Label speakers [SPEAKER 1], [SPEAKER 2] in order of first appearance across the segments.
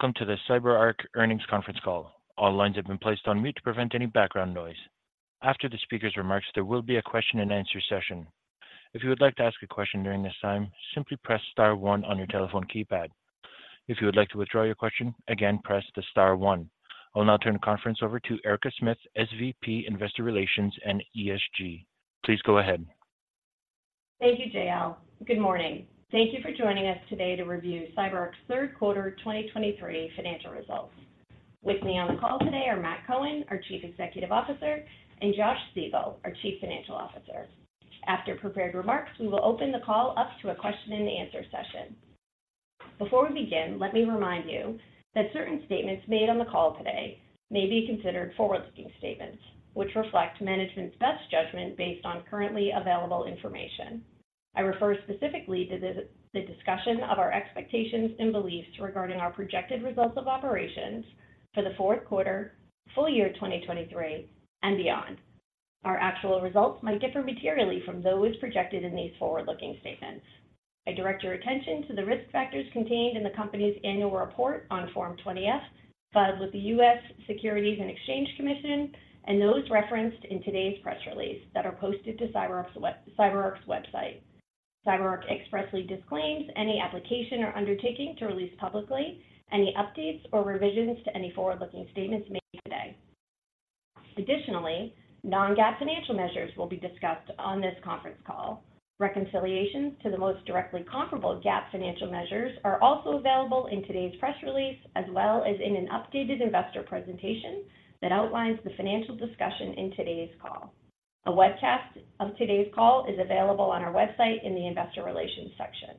[SPEAKER 1] Welcome to the CyberArk earnings conference call. All lines have been placed on mute to prevent any background noise. After the speaker's remarks, there will be a question-and-answer session. If you would like to ask a question during this time, simply press star one on your telephone keypad. If you would like to withdraw your question, again, press the star one. I will now turn the conference over to Erica Smith, SVP, Investor Relations and ESG. Please go ahead.
[SPEAKER 2] Thank you, JL. Good morning. Thank you for joining us today to review CyberArk's third quarter 2023 financial results. With me on the call today are Matt Cohen, our Chief Executive Officer, and Josh Siegel, our Chief Financial Officer. After prepared remarks, we will open the call up to a question-and-answer session. Before we begin, let me remind you that certain statements made on the call today may be considered forward-looking statements, which reflect management's best judgment based on currently available information. I refer specifically to the discussion of our expectations and beliefs regarding our projected results of operations for the fourth quarter, full year 2023, and beyond. Our actual results might differ materially from those projected in these forward-looking statements. I direct your attention to the risk factors contained in the company's annual report on Form 20-F, filed with the U.S. Securities and Exchange Commission, and those referenced in today's press release that are posted to CyberArk's website. CyberArk expressly disclaims any application or undertaking to release publicly any updates or revisions to any forward-looking statements made today. Additionally, non-GAAP financial measures will be discussed on this conference call. Reconciliation to the most directly comparable GAAP financial measures are also available in today's press release, as well as in an updated investor presentation that outlines the financial discussion in today's call. A webcast of today's call is available on our website in the Investor Relations section.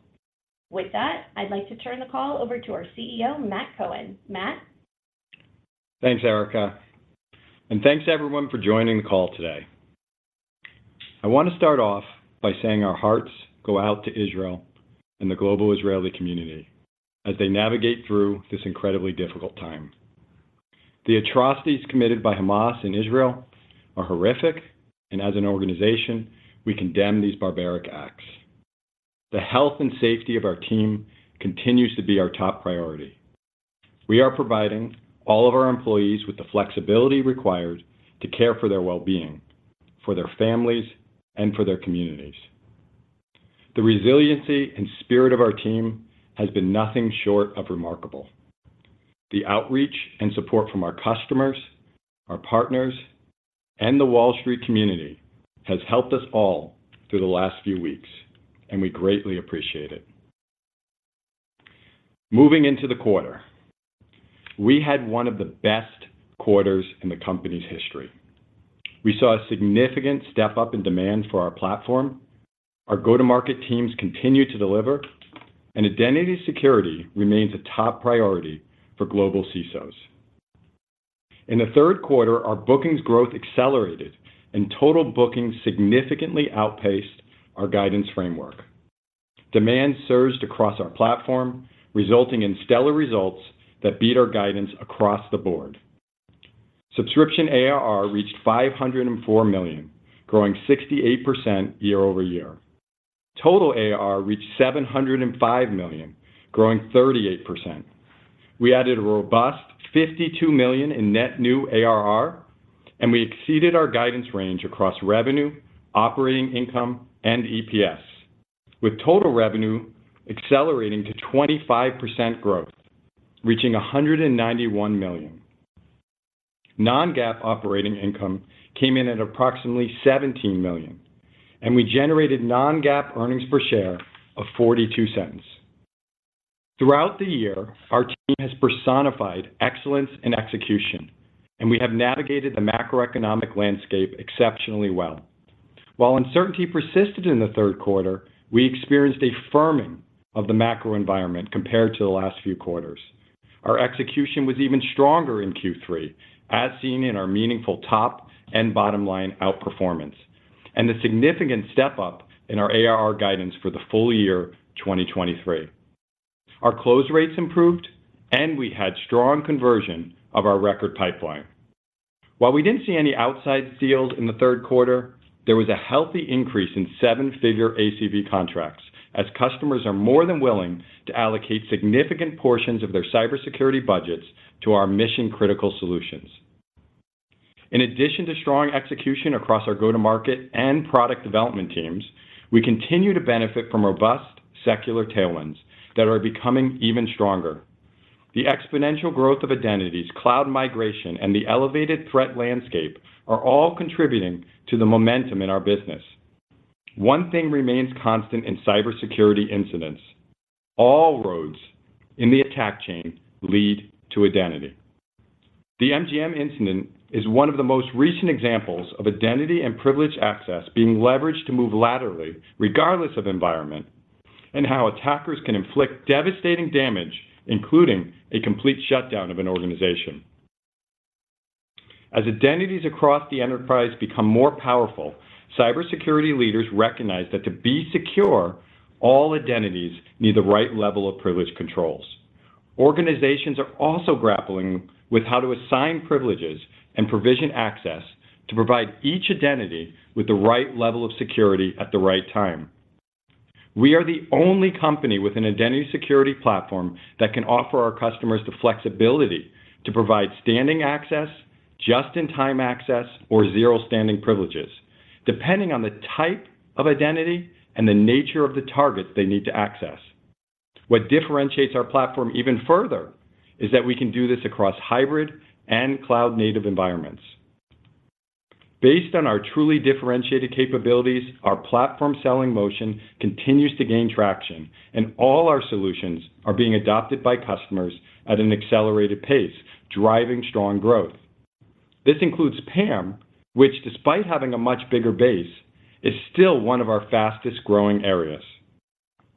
[SPEAKER 2] With that, I'd like to turn the call over to our CEO, Matt Cohen. Matt?
[SPEAKER 3] Thanks, Erica, and thanks everyone for joining the call today. I want to start off by saying our hearts go out to Israel and the global Israeli community as they navigate through this incredibly difficult time. The atrocities committed by Hamas in Israel are horrific, and as an organization, we condemn these barbaric acts. The health and safety of our team continues to be our top priority. We are providing all of our employees with the flexibility required to care for their well-being, for their families, and for their communities. The resiliency and spirit of our team has been nothing short of remarkable. The outreach and support from our customers, our partners, and the Wall Street community has helped us all through the last few weeks, and we greatly appreciate it. Moving into the quarter, we had one of the best quarters in the company's history. We saw a significant step up in demand for our platform. Our go-to-market teams continued to deliver, and Identity Security remains a top priority for global CISOs. In the third quarter, our bookings growth accelerated and total bookings significantly outpaced our guidance framework. Demand surged across our platform, resulting in stellar results that beat our guidance across the board. Subscription ARR reached $504 million, growing 68% year-over-year. Total ARR reached $705 million, growing 38%. We added a robust $52 million in net new ARR, and we exceeded our guidance range across revenue, operating income, and EPS, with total revenue accelerating to 25% growth, reaching $191 million. Non-GAAP operating income came in at approximately $17 million, and we generated non-GAAP earnings per share of $0.42. Throughout the year, our team has personified excellence and execution, and we have navigated the macroeconomic landscape exceptionally well. While uncertainty persisted in the third quarter, we experienced a firming of the macro environment compared to the last few quarters. Our execution was even stronger in Q3, as seen in our meaningful top and bottom line outperformance, and the significant step up in our ARR guidance for the full year 2023. Our close rates improved, and we had strong conversion of our record pipeline. While we didn't see any upside deals sealed in the third quarter, there was a healthy increase in seven-figure ACV contracts as customers are more than willing to allocate significant portions of their cybersecurity budgets to our mission-critical solutions. In addition to strong execution across our go-to-market and product development teams, we continue to benefit from robust secular tailwinds that are becoming even stronger. The exponential growth of identities, cloud migration, and the elevated threat landscape are all contributing to the momentum in our business. One thing remains constant in cybersecurity incidents: All roads in the attack chain lead to identity. The MGM incident is one of the most recent examples of Identity and Privileged Access being leveraged to move laterally, regardless of environment, and how attackers can inflict devastating damage, including a complete shutdown of an organization. As identities across the enterprise become more powerful, cybersecurity leaders recognize that to be secure, all identities need the right level of privilege controls. Organizations are also grappling with how to assign privileges and provision access to provide each identity with the right level of security at the right time. We are the only company with Identity Security Platform that can offer our customers the flexibility to provide standing access, just-in-time access, or zero standing privileges, depending on the type of identity and the nature of the target they need to access. What differentiates our platform even further is that we can do this across hybrid and cloud-native environments. Based on our truly differentiated capabilities, our platform selling motion continues to gain traction, and all our solutions are being adopted by customers at an accelerated pace, driving strong growth. This includes PAM, which, despite having a much bigger base, is still one of our fastest-growing areas.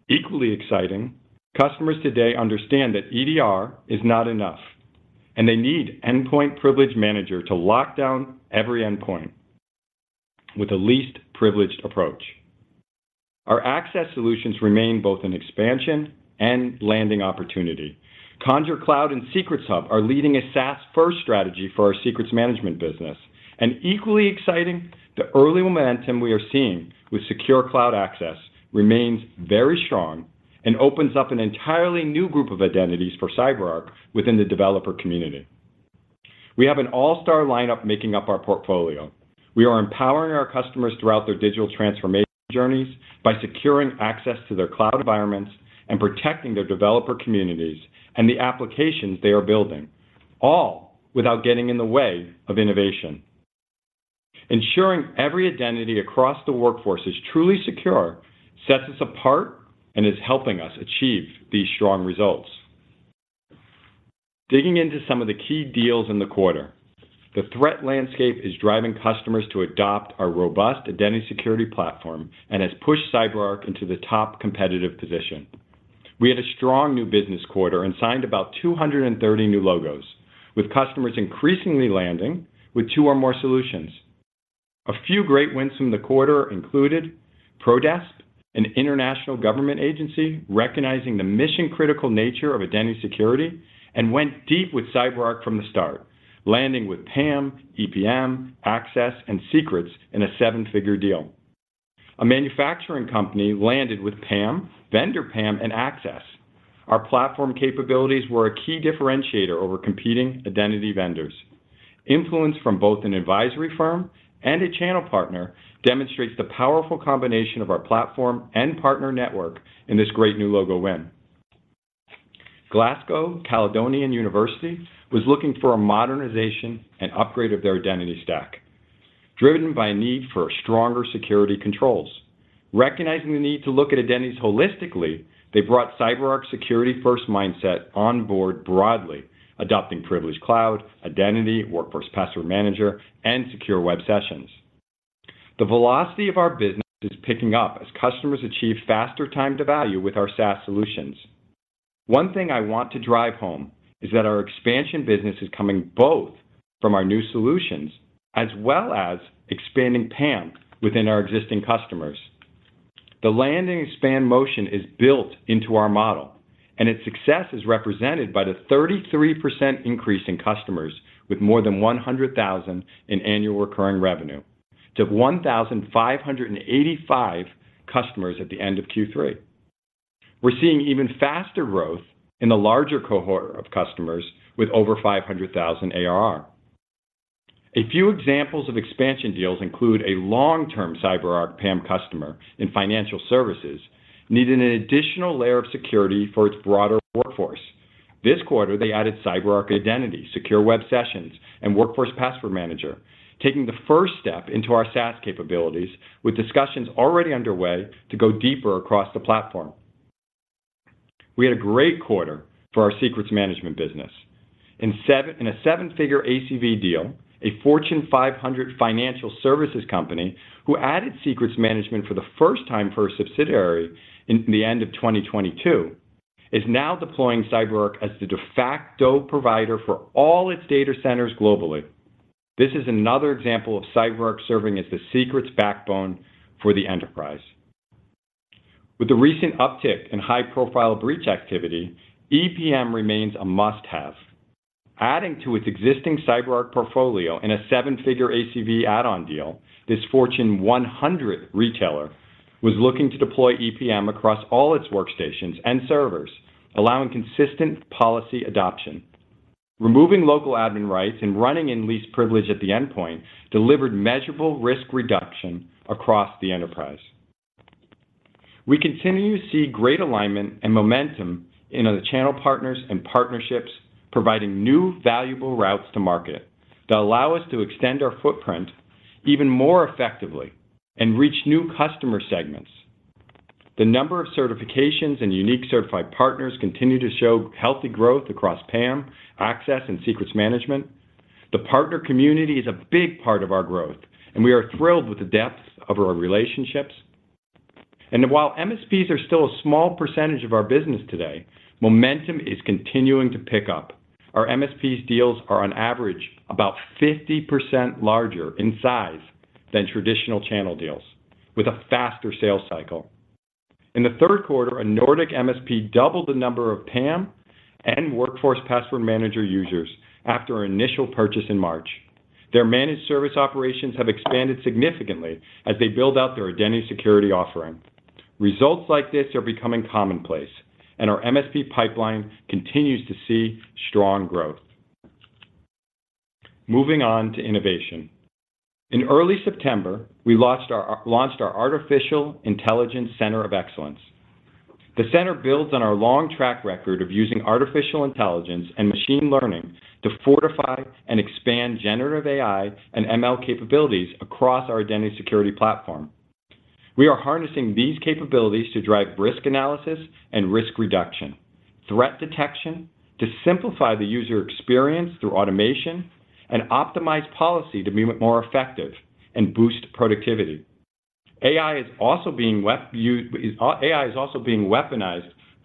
[SPEAKER 3] Equally exciting, customers today understand that EDR is not enough, and they need Endpoint Privilege Manager to lock down every endpoint with a least privileged approach. Our Access solutions remain both an expansion and landing opportunity. Conjur Cloud and Secrets Hub are leading a SaaS-first strategy for our secrets management business. Equally exciting, the early momentum we are seeing with Secure Cloud Access remains very strong and opens up an entirely new group of identities for CyberArk within the developer community. We have an all-star lineup making up our portfolio. We are empowering our customers throughout their digital transformation journeys by securing access to their cloud environments and protecting their developer communities and the applications they are building, all without getting in the way of innovation. Ensuring every identity across the workforce is truly secure sets us apart and is helping us achieve these strong results. Digging into some of the key deals in the quarter, the threat landscape is driving customers to adopt our Identity Security Platform and has pushed CyberArk into the top competitive position. We had a strong new business quarter and signed about 230 new logos, with customers increasingly landing with two or more solutions. A few great wins from the quarter included Prodesp, an international government agency, recognizing the mission-critical nature of Identity Security , and went deep with CyberArk from the start, landing with PAM, EPM, Access, and Secrets in a seven-figure deal. A manufacturing company landed with PAM, Vendor PAM, and Access. Our platform capabilities were a key differentiator over competing identity vendors. Influence from both an advisory firm and a channel partner demonstrates the powerful combination of our platform and partner network in this great new logo win. Glasgow Caledonian University was looking for a modernization and upgrade of their identity stack, driven by a need for stronger security controls. Recognizing the need to look at identities holistically, they brought CyberArk's security-first mindset on board broadly, adopting Privileged Cloud, Identity Workforce Password Manager, and Secure Web Sessions. The velocity of our business is picking up as customers achieve faster time to value with our SaaS solutions. One thing I want to drive home is that our expansion business is coming both from our new solutions as well as expanding PAM within our existing customers. The land and expand motion is built into our model, and its success is represented by the 33% increase in customers with more than $100,000 in annual recurring revenue to 1,585 customers at the end of Q3. We're seeing even faster growth in the larger cohort of customers with over $500,000 AR. A few examples of expansion deals include a long-term CyberArk PAM customer in financial services, needing an additional layer of security for its broader workforce. This quarter, they added CyberArk Identity, Secure Web Sessions, and Workforce Password Manager, taking the first step into our SaaS capabilities, with discussions already underway to go deeper across the platform. We had a great quarter for our Secrets Management business. In a seven-figure ACV deal, a Fortune 500 financial services company, who added Secrets Management for the first time for a subsidiary in the end of 2022, is now deploying CyberArk as the de facto provider for all its data centers globally. This is another example of CyberArk serving as the secrets backbone for the enterprise. With the recent uptick in high-profile breach activity, EPM remains a must-have. Adding to its existing CyberArk portfolio in a seven-figure ACV add-on deal, this Fortune 100 retailer was looking to deploy EPM across all its workstations and servers, allowing consistent policy adoption. Removing local admin rights and running in least privilege at the endpoint delivered measurable risk reduction across the enterprise. We continue to see great alignment and momentum in the channel partners and partnerships, providing new, valuable routes to market that allow us to extend our footprint even more effectively and reach new customer segments. The number of certifications and unique certified partners continue to show healthy growth across PAM, Access, and Secrets Management. The partner community is a big part of our growth, and we are thrilled with the depth of our relationships. And while MSPs are still a small percentage of our business today, momentum is continuing to pick up. Our MSPs deals are on average, about 50% larger in size than traditional channel deals, with a faster sales cycle. In the third quarter, a Nordic MSP doubled the number of PAM and Workforce Password Manager users after our initial purchase in March. Their managed service operations have expanded significantly as they build out their Identity Security offering. Results like this are becoming commonplace, and our MSP pipeline continues to see strong growth. Moving on to innovation. In early September, we launched our Artificial Intelligence Center of Excellence. The center builds on our long track record of using artificial intelligence and machine learning to fortify and expand generative AI and ML capabilities across our Identity Security Platform. We are harnessing these capabilities to drive risk analysis and risk reduction, threat detection, to simplify the user experience through automation, and optimize policy to be more effective and boost productivity. AI is also being weaponized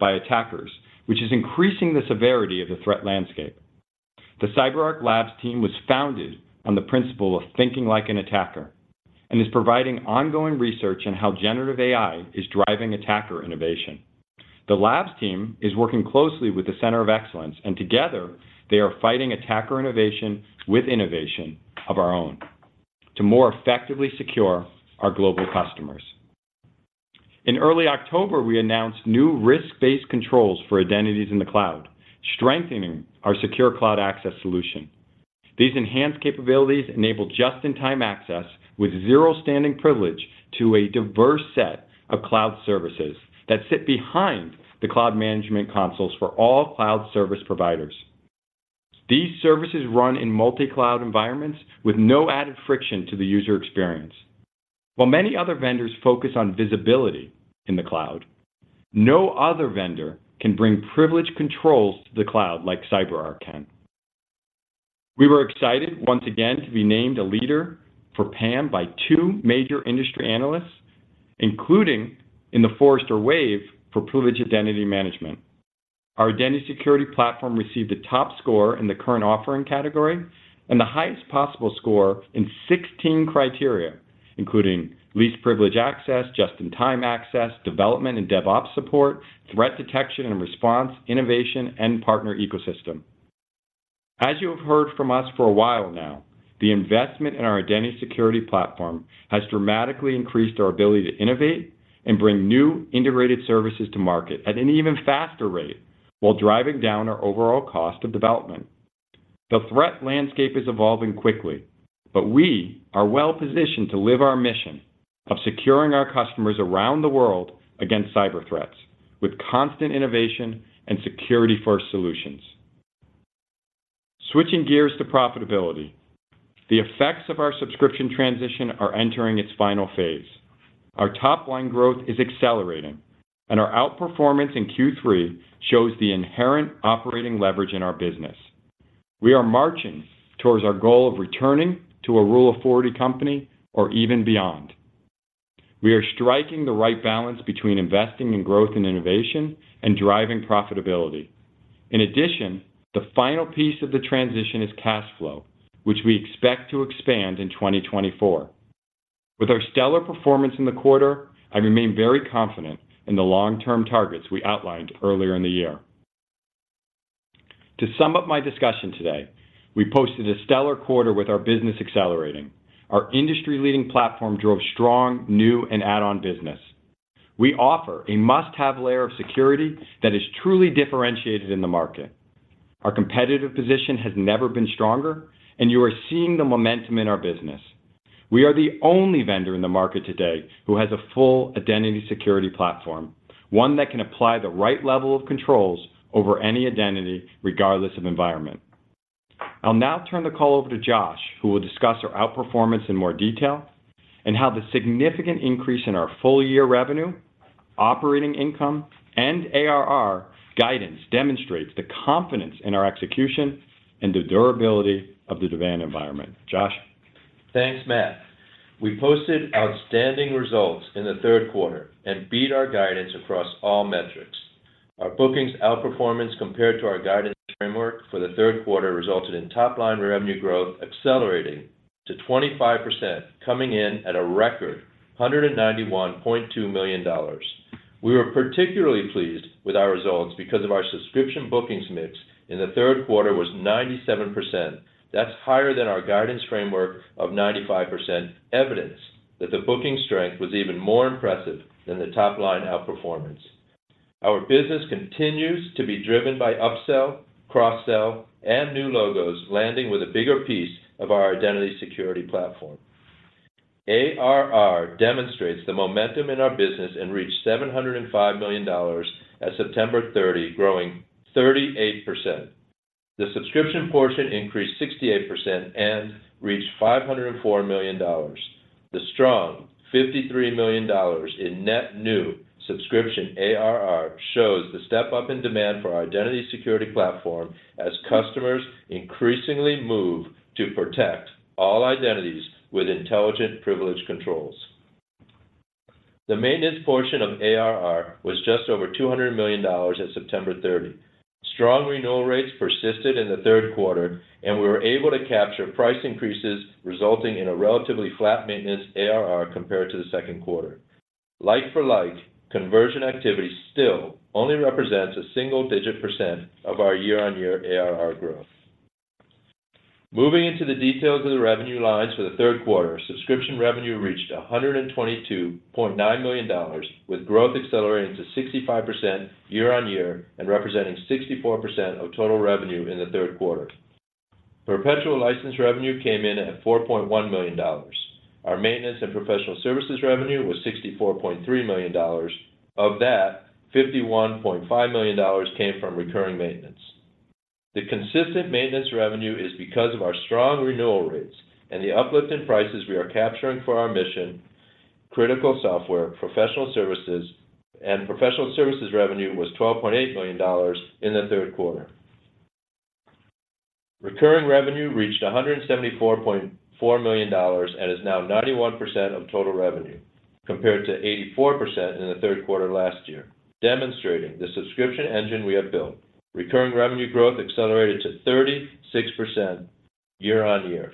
[SPEAKER 3] by attackers, which is increasing the severity of the threat landscape. The CyberArk Labs team was founded on the principle of thinking like an attacker, and is providing ongoing research on how generative AI is driving attacker innovation. The labs team is working closely with the Center of Excellence, and together, they are fighting attacker innovation with innovation of our own to more effectively secure our global customers. In early October, we announced new risk-based controls for identities in the cloud, strengthening our Secure Cloud Access solution. These enhanced capabilities enable just-in-time access with zero standing privilege to a diverse set of cloud services that sit behind the cloud management consoles for all cloud service providers. These services run in multi-cloud environments with no added friction to the user experience. While many other vendors focus on visibility in the cloud, no other vendor can bring privilege controls to the cloud like CyberArk can. We were excited once again to be named a leader for PAM by two major industry analysts, including in the Forrester Wave for Privileged Identity Management. Identity Security Platform received a top score in the current offering category and the highest possible score in 16 criteria, including least privilege access, just-in-time access, development and DevOps support, threat detection and response, innovation, and partner ecosystem. As you have heard from us for a while now, the investment in Identity Security Platform has dramatically increased our ability to innovate and bring new integrated services to market at an even faster rate, while driving down our overall cost of development. The threat landscape is evolving quickly, but we are well positioned to live our mission of securing our customers around the world against cyber threats, with constant innovation and security-first solutions. Switching gears to profitability. The effects of our subscription transition are entering its final phase. Our top-line growth is accelerating, and our outperformance in Q3 shows the inherent operating leverage in our business. We are marching towards our goal of returning to a Rule of 40 company or even beyond. We are striking the right balance between investing in growth and innovation and driving profitability. In addition, the final piece of the transition is cash flow, which we expect to expand in 2024. With our stellar performance in the quarter, I remain very confident in the long-term targets we outlined earlier in the year. To sum up my discussion today, we posted a stellar quarter with our business accelerating. Our industry-leading platform drove strong, new and add-on business. We offer a must-have layer of security that is truly differentiated in the market. Our competitive position has never been stronger, and you are seeing the momentum in our business. We are the only vendor in the market today who has a Identity Security Platform, one that can apply the right level of controls over any identity, regardless of environment. I'll now turn the call over to Josh, who will discuss our outperformance in more detail, and how the significant increase in our full-year revenue, operating income, and ARR guidance demonstrates the confidence in our execution and the durability of the demand environment. Josh?
[SPEAKER 4] Thanks, Matt. We posted outstanding results in the third quarter and beat our guidance across all metrics. Our bookings outperformance compared to our guidance framework for the third quarter resulted in top-line revenue growth accelerating to 25%, coming in at a record $191.2 million. We were particularly pleased with our results because of our subscription bookings mix in the third quarter was 97%. That's higher than our guidance framework of 95%, evidence that the booking strength was even more impressive than the top-line outperformance. Our business continues to be driven by upsell, cross-sell, and new logos, landing with a bigger piece of Identity Security Platform. ARR demonstrates the momentum in our business and reached $705 million at September 30, growing 38%. The subscription portion increased 68% and reached $504 million. The strong $53 million in net new subscription ARR shows the step-up in demand for Identity Security Platform as customers increasingly move to protect all identities with intelligent privilege controls. The maintenance portion of ARR was just over $200 million at September 30. Strong renewal rates persisted in the third quarter, and we were able to capture price increases, resulting in a relatively flat maintenance ARR compared to the second quarter. Like-for-like, conversion activity still only represents a single-digit % of our year-on-year ARR growth. Moving into the details of the revenue lines for the third quarter, subscription revenue reached $122.9 million, with growth accelerating to 65% year-on-year and representing 64% of total revenue in the third quarter. Perpetual license revenue came in at $4.1 million. Our maintenance and professional services revenue was $64.3 million. Of that, $51.5 million came from recurring maintenance. The consistent maintenance revenue is because of our strong renewal rates and the uplift in prices we are capturing for our mission-critical software. Professional services revenue was $12.8 million in the third quarter. Recurring revenue reached $174.4 million and is now 91% of total revenue, compared to 84% in the third quarter last year, demonstrating the subscription engine we have built. Recurring revenue growth accelerated to 36% year-on-year.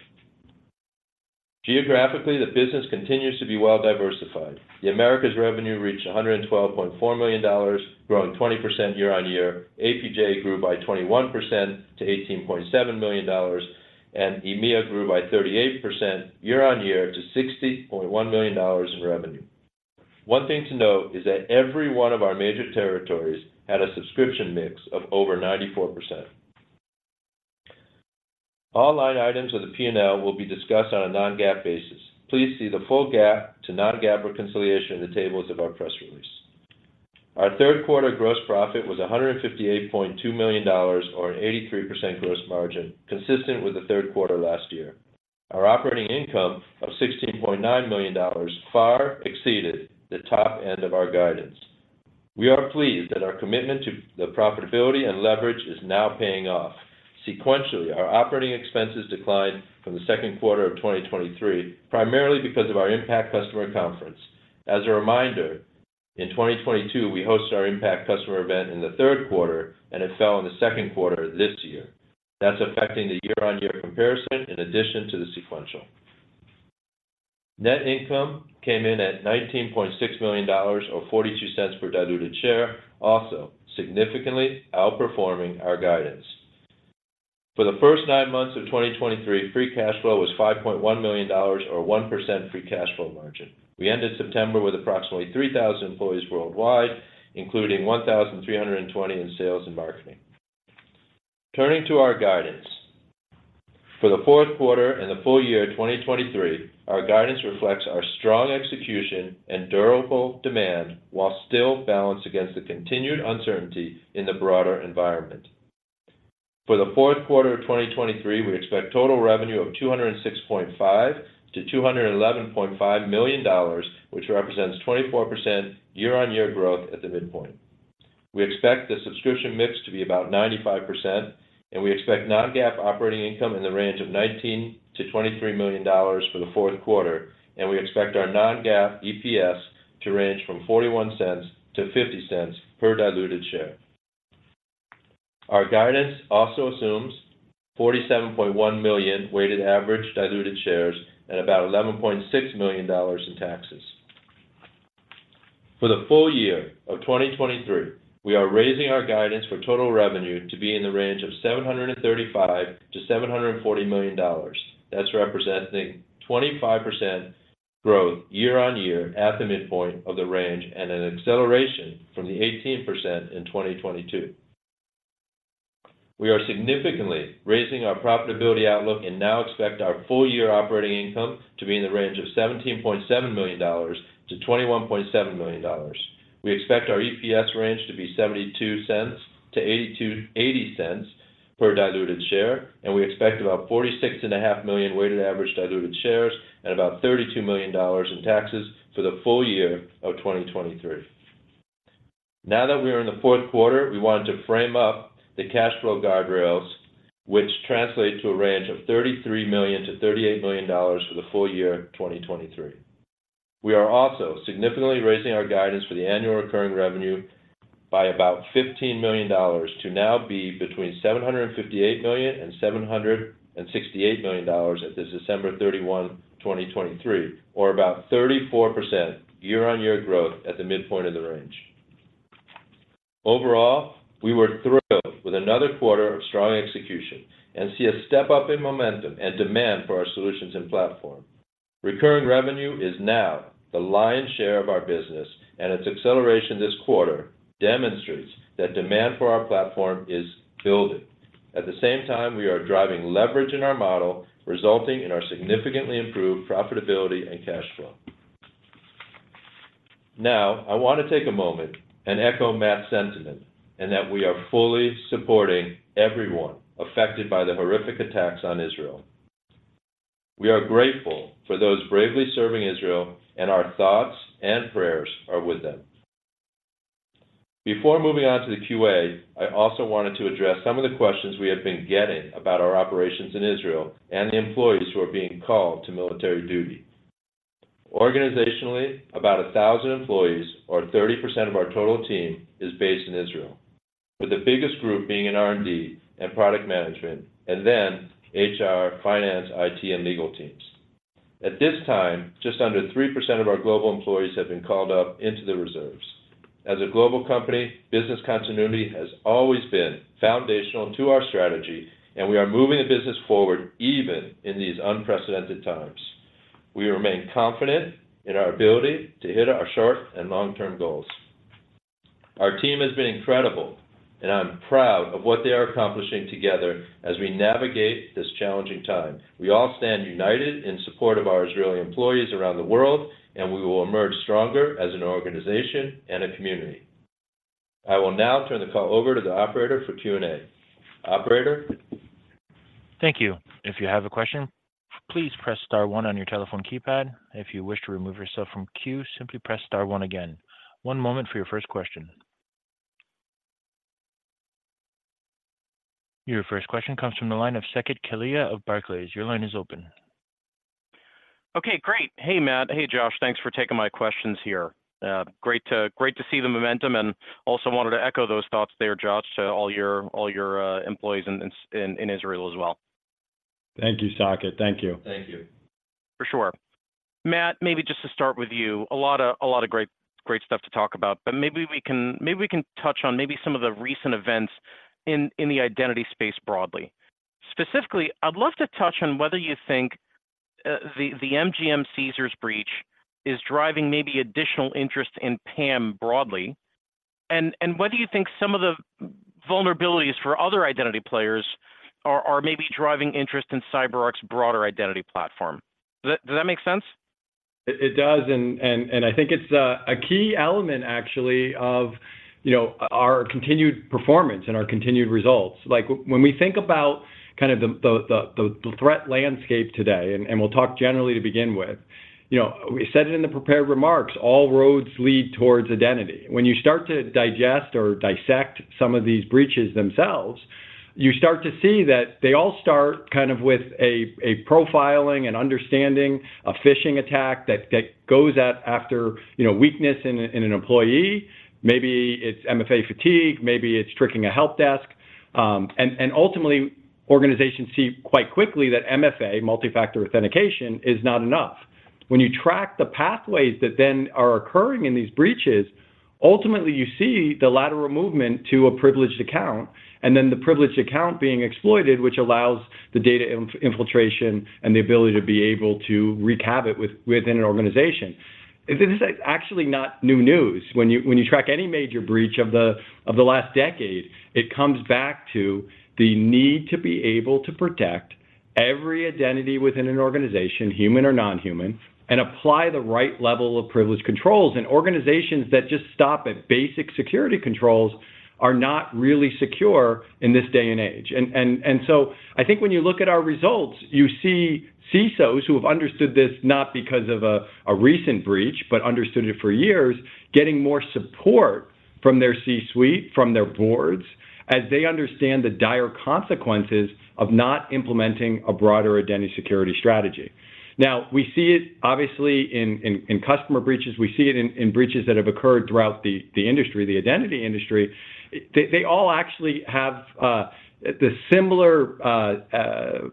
[SPEAKER 4] Geographically, the business continues to be well diversified. The Americas revenue reached $112.4 million, growing 20% year-on-year. APJ grew by 21% to $18.7 million, and EMEA grew by 38% year-on-year to $60.1 million in revenue. One thing to note is that every one of our major territories had a subscription mix of over 94%. All line items of the P&L will be discussed on a non-GAAP basis. Please see the full GAAP to non-GAAP reconciliation in the tables of our press release. Our third quarter gross profit was $158.2 million, or an 83% gross margin, consistent with the third quarter last year. Our operating income of $16.9 million far exceeded the top end of our guidance. We are pleased that our commitment to the profitability and leverage is now paying off. Sequentially, our operating expenses declined from the second quarter of 2023, primarily because of our IMPACT Customer Conference. As a reminder, in 2022, we hosted our IMPACT Customer event in the third quarter, and it fell in the second quarter this year. That's affecting the year-on-year comparison in addition to the sequential. Net income came in at $19.6 million, or $0.42 per diluted share, also significantly outperforming our guidance. For the first nine months of 2023, Free Cash Flow was $5.1 million, or 1% Free Cash Flow margin. We ended September with approximately 3,000 employees worldwide, including 1,320 in sales and marketing. Turning to our guidance. For the fourth quarter and the full year of 2023, our guidance reflects our strong execution and durable demand, while still balanced against the continued uncertainty in the broader environment. For the fourth quarter of 2023, we expect total revenue of $206.5 million-$211.5 million, which represents 24% year-on-year growth at the midpoint. We expect the subscription mix to be about 95%, and we expect non-GAAP operating income in the range of $19 million-$23 million for the fourth quarter, and we expect our non-GAAP EPS to range from $0.41-$0.50 per diluted share. Our guidance also assumes 47.1 million weighted average diluted shares and about $11.6 million in taxes. For the full year of 2023, we are raising our guidance for total revenue to be in the range of $735 million-$740 million. That's representing 25% growth year-on-year at the midpoint of the range and an acceleration from the 18% in 2022. We are significantly raising our profitability outlook and now expect our full year operating income to be in the range of $17.7 million-$21.7 million. We expect our EPS range to be $0.72-$0.82-$0.80 per diluted share, and we expect about 46.5 million weighted average diluted shares and about $32 million in taxes for the full year of 2023. Now that we are in the fourth quarter, we wanted to frame up the cash flow guardrails, which translate to a range of $33 million-$38 million for the full year of 2023. We are also significantly raising our guidance for the annual recurring revenue by about $15 million, to now be between $758 million and $768 million at the December 31, 2023, or about 34% year-on-year growth at the midpoint of the range. Overall, we were thrilled with another quarter of strong execution and see a step up in momentum and demand for our solutions and platform. Recurring revenue is now the lion's share of our business, and its acceleration this quarter demonstrates that demand for our platform is building. At the same time, we are driving leverage in our model, resulting in our significantly improved profitability and cash flow. Now, I want to take a moment and echo Matt's sentiment, and that we are fully supporting everyone affected by the horrific attacks on Israel. We are grateful for those bravely serving Israel, and our thoughts and prayers are with them. Before moving on to the Q&A, I also wanted to address some of the questions we have been getting about our operations in Israel and the employees who are being called to military duty. Organizationally, about 1,000 employees, or 30% of our total team, is based in Israel with the biggest group being in R&D and product management, and then HR, finance, IT, and legal teams. At this time, just under 3% of our global employees have been called up into the reserves. As a global company, business continuity has always been foundational to our strategy, and we are moving the business forward even in these unprecedented times. We remain confident in our ability to hit our short and long-term goals. Our team has been incredible, and I'm proud of what they are accomplishing together as we navigate this challenging time. We all stand united in support of our Israeli employees around the world, and we will emerge stronger as an organization and a community. I will now turn the call over to the operator for Q&A. Operator?
[SPEAKER 1] Thank you. If you have a question, please press star one on your telephone keypad. If you wish to remove yourself from queue, simply press star one again. One moment for your first question. Your first question comes from the line of Saket Kalia of Barclays. Your line is open.
[SPEAKER 5] Okay, great. Hey, Matt. Hey, Josh. Thanks for taking my questions here. Great to see the momentum, and also wanted to echo those thoughts there, Josh, to all your employees in Israel as well.
[SPEAKER 4] Thank you, Saket. Thank you.
[SPEAKER 5] Thank you. For sure. Matt, maybe just to start with you, a lot of, a lot of great, great stuff to talk about, but maybe we can, maybe we can touch on maybe some of the recent events in, in the identity space broadly. Specifically, I'd love to touch on whether you think, the, the MGM Caesars breach is driving maybe additional interest in PAM broadly. And, and what do you think some of the vulnerabilities for other identity players are, are maybe driving interest in CyberArk's broader Identity Platform? Does that, does that make sense?
[SPEAKER 3] It does, and I think it's a key element, actually, of, you know, our continued performance and our continued results. Like, when we think about kind of the threat landscape today, and we'll talk generally to begin with, you know, we said it in the prepared remarks, all roads lead towards Identity. When you start to digest or dissect some of these breaches themselves, you start to see that they all start kind of with a profiling and understanding, a phishing attack that goes out after, you know, weakness in an employee. Maybe it's MFA fatigue, maybe it's tricking a helpdesk, and ultimately, organizations see quite quickly that MFA, Multi-Factor Authentication, is not enough. When you track the pathways that then are occurring in these breaches, ultimately, you see the lateral movement to a privileged account, and then the privileged account being exploited, which allows the data infiltration and the ability to be able to wreak havoc within an organization. This is, like, actually not new news. When you, when you track any major breach of the, of the last decade, it comes back to the need to be able to protect every identity within an organization, human or non-human, and apply the right level of privilege controls. Organizations that just stop at basic security controls are not really secure in this day and age. So I think when you look at our results, you see CISOs who have understood this not because of a recent breach, but understood it for years, getting more support from their C-suite, from their boards, as they understand the dire consequences of not implementing a broader Identity Security strategy. Now, we see it obviously in customer breaches, we see it in breaches that have occurred throughout the industry, the identity industry. They all actually have the similar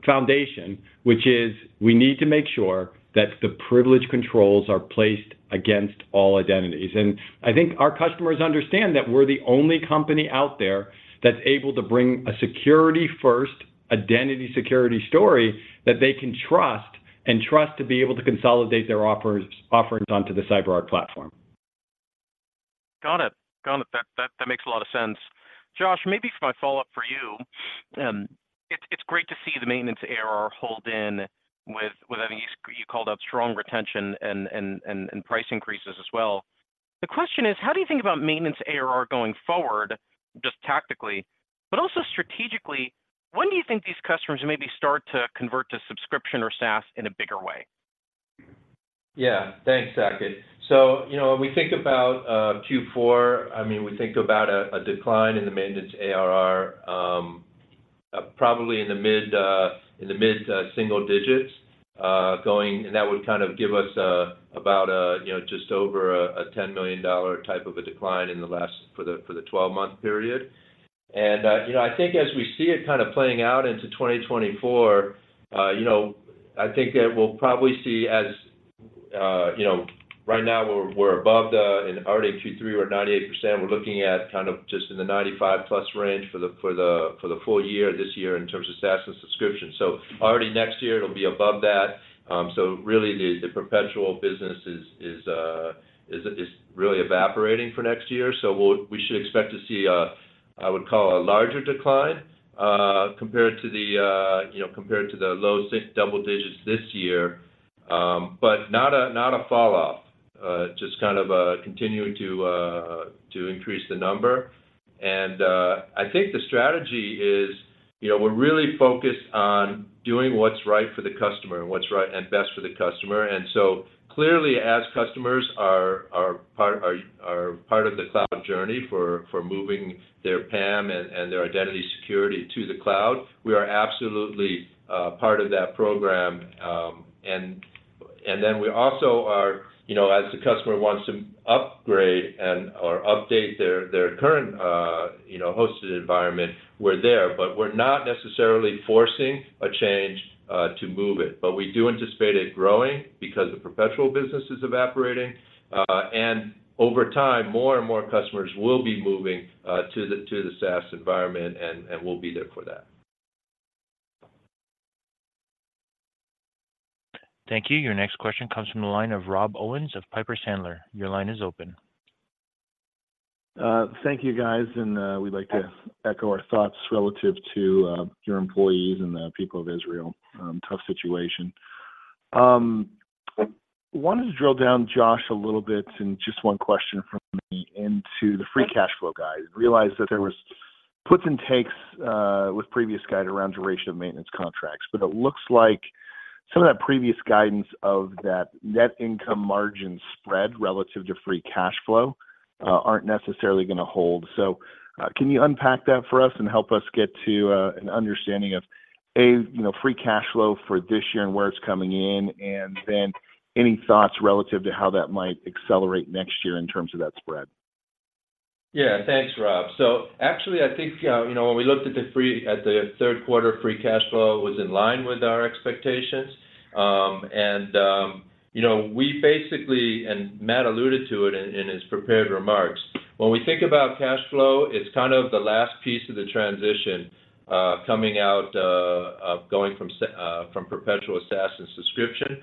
[SPEAKER 3] foundation, which is we need to make sure that the privilege controls are placed against all identities. And I think our customers understand that we're the only company out there that's able to bring a security-first, Identity Security story that they can trust, and trust to be able to consolidate their offerings onto the CyberArk platform.
[SPEAKER 5] Got it. Got it. That makes a lot of sense. Josh, maybe for my follow-up for you, it's great to see the maintenance ARR hold in with, I mean, you called out strong retention and price increases as well. The question is: how do you think about maintenance ARR going forward, just tactically, but also strategically, when do you think these customers maybe start to convert to subscription or SaaS in a bigger way?
[SPEAKER 4] Yeah. Thanks, Saket. So, you know, when we think about Q4, I mean, we think about a decline in the maintenance ARR, probably in the mid single digits, going and that would kind of give us, you know, just over a $10 million type of a decline for the twelve-month period. And, you know, I think as we see it kind of playing out into 2024, you know, I think that we'll probably see as you know, right now we're above the in already Q3, we're at 98%. We're looking at kind of just in the 95%+ range for the full year, this year, in terms of SaaS and subscription. So already next year, it'll be above that. So really, the perpetual business is really evaporating for next year. So we should expect to see a, I would call a larger decline, compared to the, you know, compared to the low single digits this year, but not a falloff, just kind of continuing to increase the number. And I think the strategy is, you know, we're really focused on doing what's right for the customer and what's right and best for the customer. And so clearly, as customers are part of the cloud journey for moving their PAM and their Identity Security to the cloud, we are absolutely part of that program. And then we also are, you know, as the customer wants to upgrade and or update their current, you know, hosted environment, we're there. But we're not necessarily forcing a change to move it. But we do anticipate it growing because the perpetual business is evaporating, and over time, more and more customers will be moving to the SaaS environment, and we'll be there for that.
[SPEAKER 1] Thank you. Your next question comes from the line of Rob Owens of Piper Sandler. Your line is open.
[SPEAKER 6] Thank you, guys, and we'd like to echo our thoughts relative to your employees and the people of Israel. Tough situation. Wanted to drill down, Josh, a little bit, and just one question from me, into the Free Cash Flow guide. I realized that there was puts and takes with previous guide around duration of maintenance contracts, but it looks like some of that previous guidance of that net income margin spread relative to Free Cash Flow aren't necessarily gonna hold. So, can you unpack that for us and help us get to an understanding of, A, you know, Free Cash Flow for this year and where it's coming in, and then any thoughts relative to how that might accelerate next year in terms of that spread?
[SPEAKER 4] Yeah. Thanks, Rob. So actually, I think, you know, when we looked at the third quarter Free Cash Flow, it was in line with our expectations. And, you know, we basically, and Matt alluded to it in his prepared remarks, when we think about cash flow, it's kind of the last piece of the transition coming out of going from perpetual to SaaS and subscription.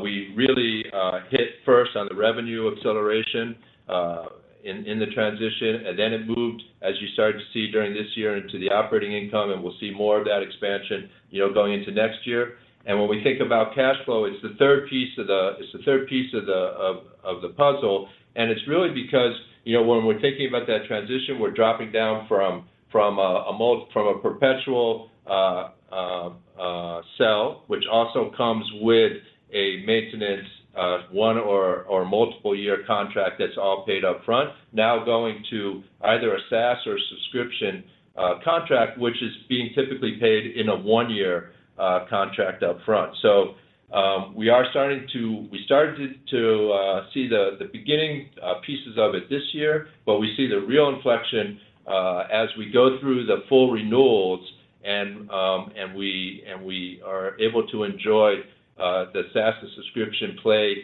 [SPEAKER 4] We really hit first on the revenue acceleration in the transition, and then it moved, as you started to see during this year, into the operating income, and we'll see more of that expansion, you know, going into next year. When we think about cash flow, it's the third piece of the puzzle, and it's really because, you know, when we're thinking about that transition, we're dropping down from a model from a perpetual sale, which also comes with a maintenance one or multiple year contract that's all paid up front, now going to either a SaaS or subscription contract, which is being typically paid in a one-year contract up front. So, we started to see the beginning pieces of it this year, but we see the real inflection as we go through the full renewals, and we are able to enjoy the SaaS and subscription play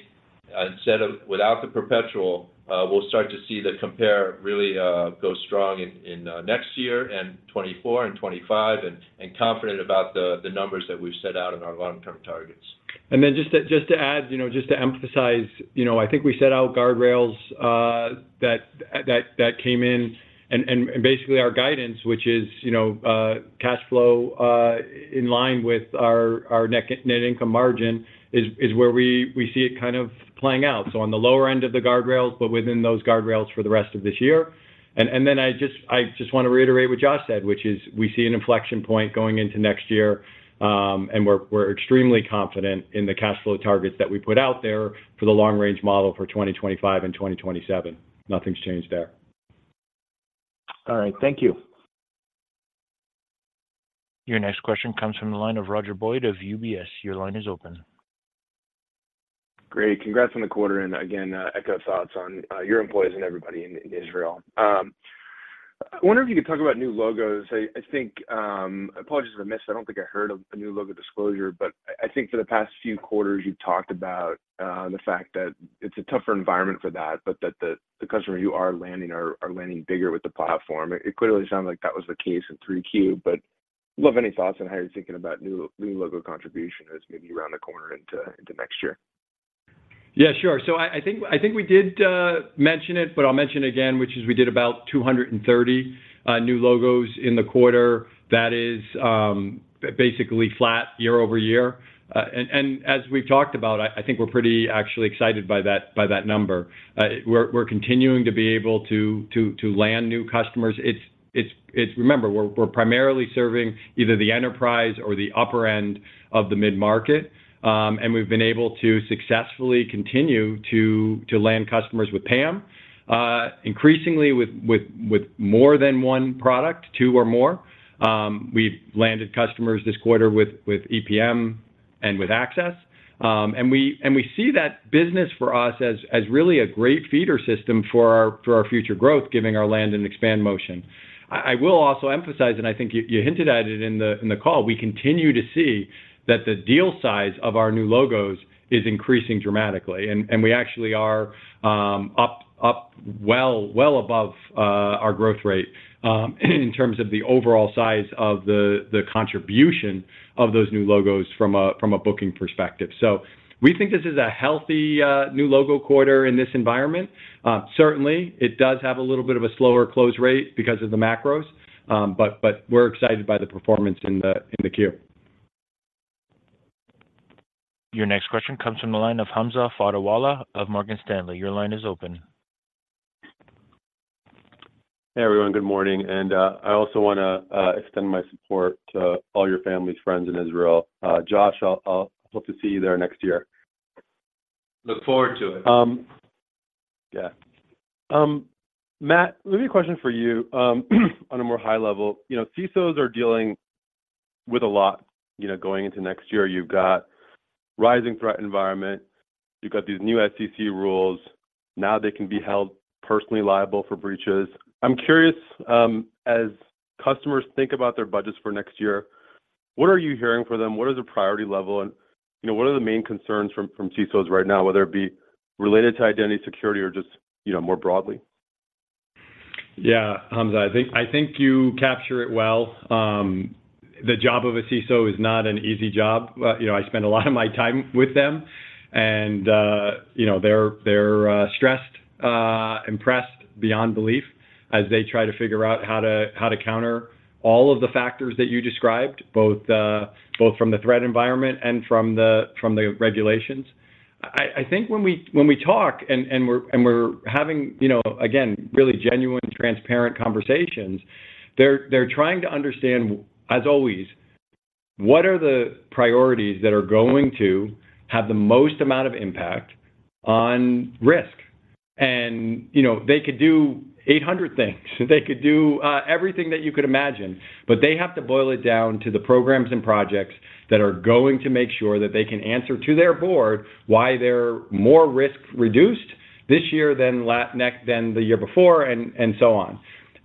[SPEAKER 4] instead of without the perpetual. We'll start to see the compare really go strong in next year and 2024 and 2025, and confident about the numbers that we've set out in our long-term targets.
[SPEAKER 3] And then just to add, you know, just to emphasize, you know, I think we set out guardrails that came in, and basically our guidance, which is, you know, cash flow in line with our net income margin, is where we see it kind of playing out. So on the lower end of the guardrails, but within those guardrails for the rest of this year. And then I just want to reiterate what Josh said, which is we see an inflection point going into next year, and we're extremely confident in the cash flow targets that we put out there for the long-range model for 2025 and 2027. Nothing's changed there.
[SPEAKER 6] All right, thank you.
[SPEAKER 1] Your next question comes from the line of Roger Boyd of UBS. Your line is open.
[SPEAKER 7] Great. Congrats on the quarter, and again, echo thoughts on your employees and everybody in Israel. I wonder if you could talk about new logos. I think, apologies if I missed. I don't think I heard a new logo disclosure, but I think for the past few quarters, you've talked about the fact that it's a tougher environment for that, but that the customer you are landing are landing bigger with the platform. It clearly sounded like that was the case in 3Q. But love any thoughts on how you're thinking about new logo contribution as maybe around the corner into next year.
[SPEAKER 3] Yeah, sure. So I think we did mention it, but I'll mention it again, which is we did about 230 new logos in the quarter. That is basically flat year-over-year. And as we've talked about, I think we're pretty actually excited by that number. We're continuing to be able to land new customers. It's remember, we're primarily serving either the enterprise or the upper end of the mid-market, and we've been able to successfully continue to land customers with PAM, increasingly with more than one product, two or more. We've landed customers this quarter with EPM and with Access. And we see that business for us as really a great feeder system for our future growth, giving our land-and-expand motion. I will also emphasize, and I think you hinted at it in the call, we continue to see that the deal size of our new logos is increasing dramatically, and we actually are up well above our growth rate in terms of the overall size of the contribution of those new logos from a booking perspective. So we think this is a healthy new logo quarter in this environment. Certainly, it does have a little bit of a slower close rate because of the macros, but we're excited by the performance in the Q.
[SPEAKER 1] Your next question comes from the line of Hamza Fodderwala of Morgan Stanley. Your line is open.
[SPEAKER 8] Hey, everyone. Good morning. I also wanna extend my support to all your families, friends in Israel. Josh, I'll hope to see you there next year.
[SPEAKER 4] Look forward to it.
[SPEAKER 8] Yeah. Matt, let me ask a question for you, on a more high level. You know, CISOs are dealing with a lot, you know, going into next year. You've got rising threat environment, you've got these new SEC rules, now they can be held personally liable for breaches. I'm curious, as customers think about their budgets for next year, what are you hearing from them? What is the priority level? And, you know, what are the main concerns from CISOs right now, whether it be related to Identity Security or just, you know, more broadly?
[SPEAKER 3] Yeah, Hamza, I think, I think you capture it well. The job of a CISO is not an easy job. You know, I spend a lot of my time with them, and, you know, they're, they're stressed, and pressed beyond belief as they try to figure out how to, how to counter all of the factors that you described, both, both from the threat environment and from the, from the regulations. I, I think when we, when we talk and, and we're, and we're having, you know, again, really genuine, transparent conversations, they're, they're trying to understand, as always, what are the priorities that are going to have the most amount of impact on risk? And, you know, they could do 800 things. They could do everything that you could imagine, but they have to boil it down to the programs and projects that are going to make sure that they can answer to their board why they're more risk-reduced this year than the year before, and so on.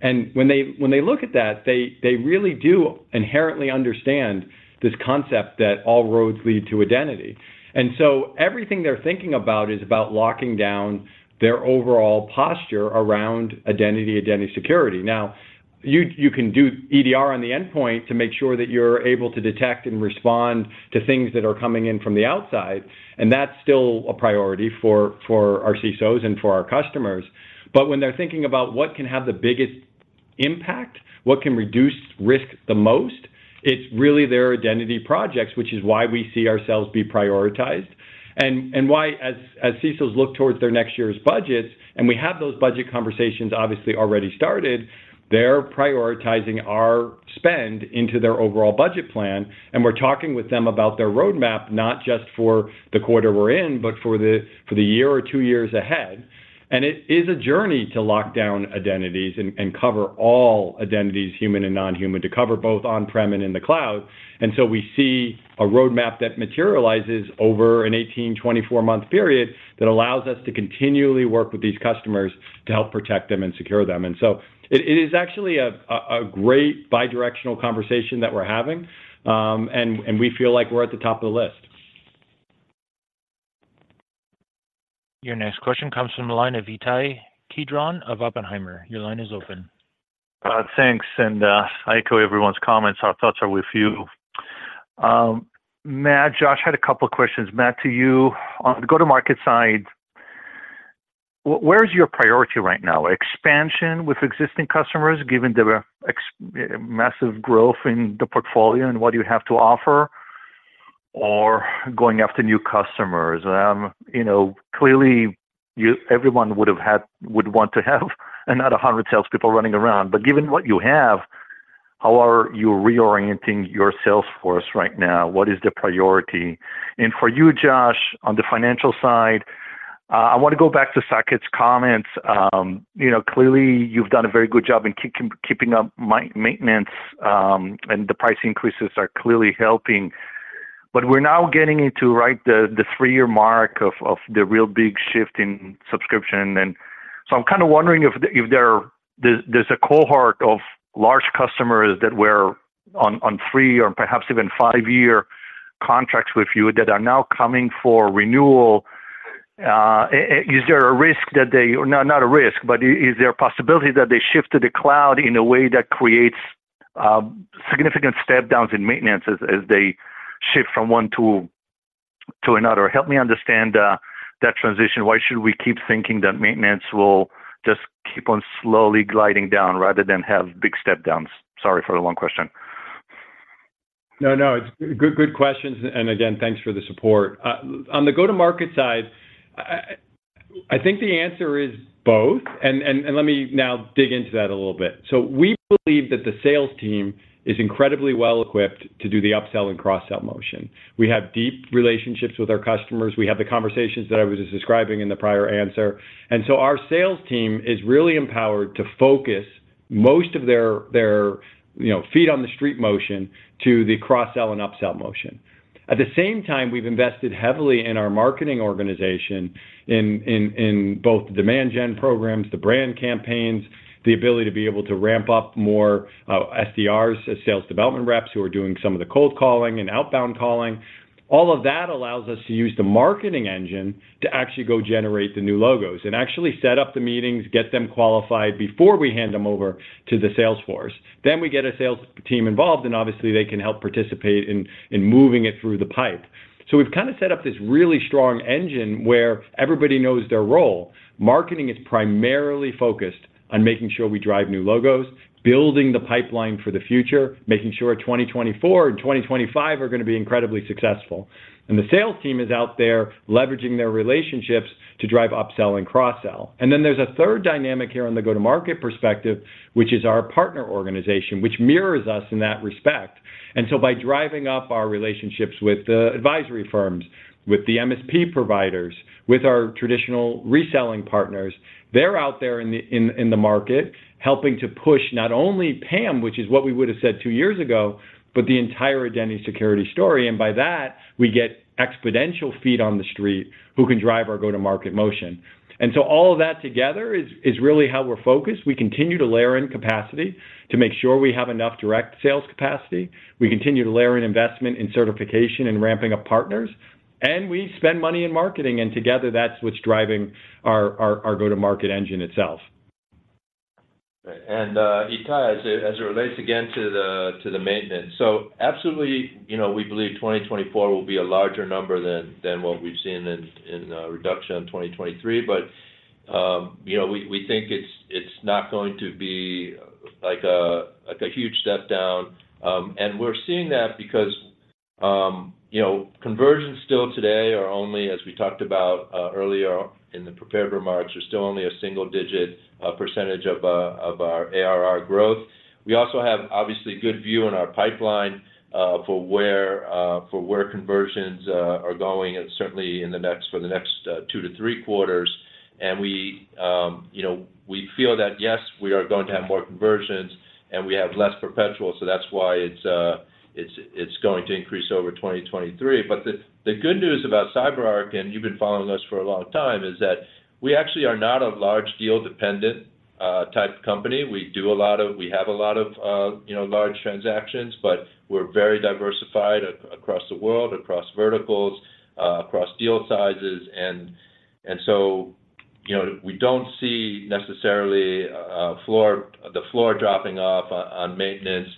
[SPEAKER 3] And when they look at that, they really do inherently understand this concept that all roads lead to identity. And so everything they're thinking about is about locking down their overall posture around Identity, Identity Security. Now, you can do EDR on the endpoint to make sure that you're able to detect and respond to things that are coming in from the outside, and that's still a priority for our CISOs and for our customers. But when they're thinking about what can have the biggest impact, what can reduce risk the most, it's really their identity projects, which is why we see ourselves be prioritized. And, and why as, as CISOs look towards their next year's budgets, and we have those budget conversations obviously already started, they're prioritizing our spend into their overall budget plan, and we're talking with them about their roadmap, not just for the quarter we're in, but for the, for the year or two years ahead. And it is a journey to lock down identities and, and cover all identities, human and non-human, to cover both on-prem and in the cloud. And so we see a roadmap that materializes over an 18 month, 24 month period that allows us to continually work with these customers to help protect them and secure them. And so it is actually a great bidirectional conversation that we're having, and we feel like we're at the top of the list.
[SPEAKER 1] Your next question comes from the line of Ittai Kidron of Oppenheimer. Your line is open.
[SPEAKER 9] Thanks, and I echo everyone's comments. Our thoughts are with you. Matt, Josh, I had a couple of questions. Matt, to you, on the go-to-market side, where is your priority right now? Expansion with existing customers, given the massive growth in the portfolio and what you have to offer, or going after new customers? You know, clearly, everyone would want to have another hundred salespeople running around, but given what you have, how are you reorienting your sales force right now? What is the priority? And for you, Josh, on the financial side, I want to go back to Saket's comments. You know, clearly, you've done a very good job in keeping up maintenance, and the price increases are clearly helping. But we're now getting into, right, the three-year mark of the real big shift in subscription, and so I'm kind of wondering if there... There's a cohort of large customers that were on three or perhaps even five-year contracts with you that are now coming for renewal. Is there a risk that they... No, not a risk, but is there a possibility that they shift to the cloud in a way that creates significant step downs in maintenance as they shift from one tool to another? Help me understand that transition. Why should we keep thinking that maintenance will just keep on slowly gliding down rather than have big step downs? Sorry for the long question.
[SPEAKER 3] No, no, it's good, good questions, and again, thanks for the support. On the go-to-market side, I think the answer is both, and let me now dig into that a little bit. So we believe that the sales team is incredibly well-equipped to do the upsell and cross-sell motion. We have deep relationships with our customers. We have the conversations that I was just describing in the prior answer. And so our sales team is really empowered to focus most of their, you know, feet on the street motion to the cross-sell and upsell motion. At the same time, we've invested heavily in our marketing organization in both the demand gen programs, the brand campaigns, the ability to be able to ramp up more, SDRs, sales development reps, who are doing some of the cold calling and outbound calling. All of that allows us to use the marketing engine to actually go generate the new logos and actually set up the meetings, get them qualified before we hand them over to the sales force. Then we get a sales team involved, and obviously, they can help participate in moving it through the pipe. So we've kinda set up this really strong engine where everybody knows their role. Marketing is primarily focused on making sure we drive new logos, building the pipeline for the future, making sure 2024 and 2025 are going to be incredibly successful. And the sales team is out there leveraging their relationships to drive upsell and cross-sell. And then there's a third dynamic here on the go-to-market perspective, which is our partner organization, which mirrors us in that respect. And so by driving up our relationships with the advisory firms, with the MSP providers, with our traditional reselling partners, they're out there in the market, helping to push not only PAM, which is what we would have said two years ago, but the entire Identity Security story. And by that, we get exponential feet on the street who can drive our go-to-market motion. And so all of that together is really how we're focused. We continue to layer in capacity to make sure we have enough direct sales capacity. We continue to layer in investment in certification and ramping up partners, and we spend money in marketing, and together, that's what's driving our go-to-market engine itself.
[SPEAKER 4] Ittai, as it relates again to the maintenance. So absolutely, you know, we believe 2024 will be a larger number than what we've seen in reduction in 2023. But, you know, we think it's not going to be like a huge step down. And we're seeing that because, you know, conversions still today are only, as we talked about earlier in the prepared remarks, are still only a single-digit percentage of our ARR growth. We also have obviously good view on our pipeline for where conversions are going and certainly for the next 2-3 quarters. We, you know, we feel that, yes, we are going to have more conversions and we have less perpetual, so that's why it's going to increase over 2023. But the good news about CyberArk, and you've been following us for a long time, is that we actually are not a large deal-dependent type of company. We do a lot of we have a lot of, you know, large transactions, but we're very diversified across the world, across verticals, across deal sizes. And so, you know, we don't see necessarily the floor dropping off on maintenance.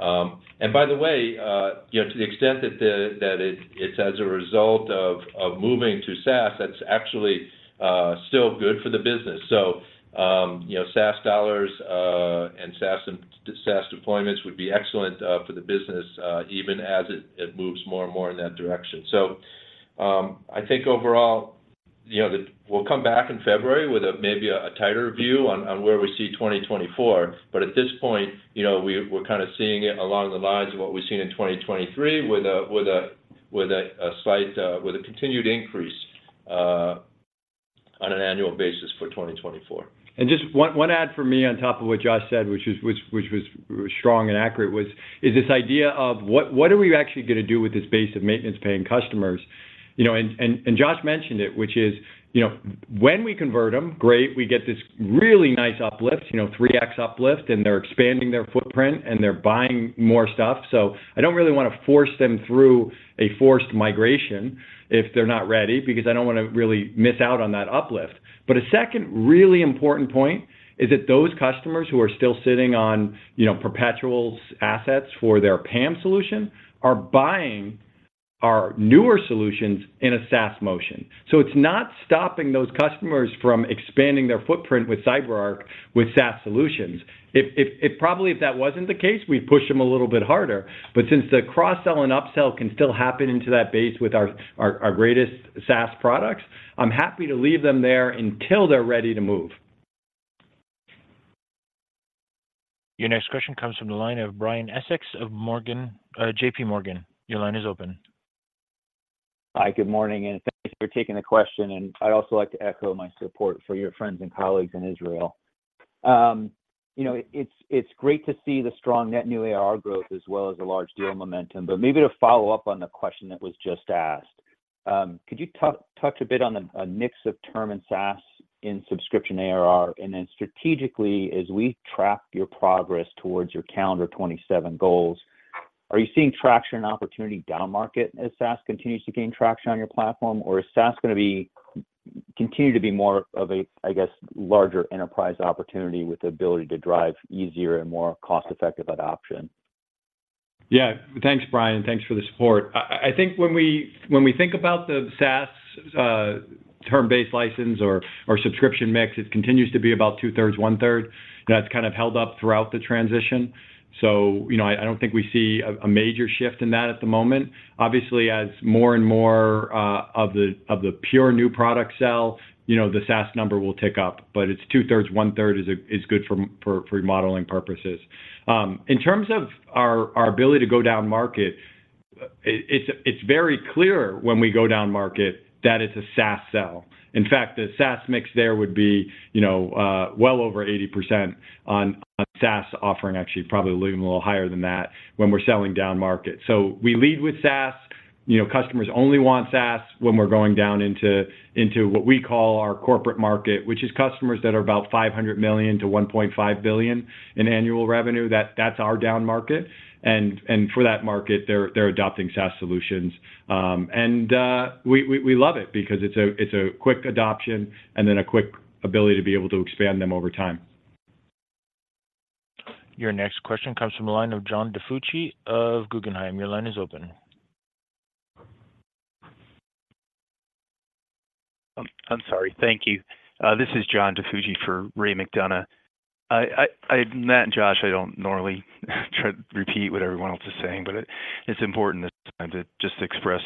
[SPEAKER 4] And by the way, you know, to the extent that it is as a result of moving to SaaS, that's actually still good for the business. So, you know, SaaS dollars, and SaaS and SaaS deployments would be excellent, for the business, even as it, it moves more and more in that direction. So, I think overall, you know, that we'll come back in February with a maybe a tighter view on, on where we see 2024. But at this point, you know, we're kind of seeing it along the lines of what we've seen in 2023, with a slight, with a continued increase, on an annual basis for 2024.
[SPEAKER 3] Just one add from me on top of what Josh said, which was strong and accurate, is this idea of what we actually gonna do with this base of maintenance-paying customers? You know, and Josh mentioned it, which is, you know, when we convert them, great, we get this really nice uplift, you know, 3x uplift, and they're expanding their footprint, and they're buying more stuff. So I don't really wanna force them through a forced migration if they're not ready, because I don't wanna really miss out on that uplift. But a second really important point is that those customers who are still sitting on, you know, perpetual assets for their PAM solution are buying our newer solutions in a SaaS motion. So it's not stopping those customers from expanding their footprint with CyberArk, with SaaS solutions. If that wasn't the case, we'd push them a little bit harder. But since the cross-sell and upsell can still happen into that base with our greatest SaaS products, I'm happy to leave them there until they're ready to move.
[SPEAKER 1] Your next question comes from the line of Brian Essex of Morgan...JPMorgan. Your line is open.
[SPEAKER 10] Hi, good morning, and thank you for taking the question. I'd also like to echo my support for your friends and colleagues in Israel. You know, it's great to see the strong net new ARR growth as well as the large deal momentum. But maybe to follow up on the question that was just asked, could you touch a bit on the mix of term and SaaS in subscription ARR? And then strategically, as we track your progress towards your calendar 27 goals, are you seeing traction and opportunity downmarket as SaaS continues to gain traction on your platform? Or is SaaS gonna continue to be more of a, I guess, larger enterprise opportunity with the ability to drive easier and more cost-effective adoption?
[SPEAKER 3] Yeah. Thanks, Brian, thanks for the support. I, I think when we, when we think about the SaaS, term-based license or, or subscription mix, it continues to be about 2/3, 1/3. That's kind of held up throughout the transition. So, you know, I, I don't think we see a, a major shift in that at the moment. Obviously, as more and more, of the, of the pure new product sell, you know, the SaaS number will tick up, but it's 2/3, 1/3 is, is good for, for modeling purposes. In terms of our, our ability to go downmarket, it, it's, it's very clear when we go downmarket that it's a SaaS sell. In fact, the SaaS mix there would be, you know, well over 80% on, on SaaS offering, actually, probably a little higher than that when we're selling downmarket. So we lead with SaaS. You know, customers only want SaaS when we're going down into what we call our corporate market, which is customers that are about $500 million to $1.5 billion in annual revenue. That's our downmarket, and for that market, they're adopting SaaS solutions. We love it because it's a quick adoption and then a quick ability to be able to expand them over time.
[SPEAKER 1] Your next question comes from the line of John Difucci of Guggenheim. Your line is open.
[SPEAKER 11] This is John Diffucci for Ray McDonough. Matt and Josh, I don't normally try to repeat what everyone else is saying, but it's important this time to just express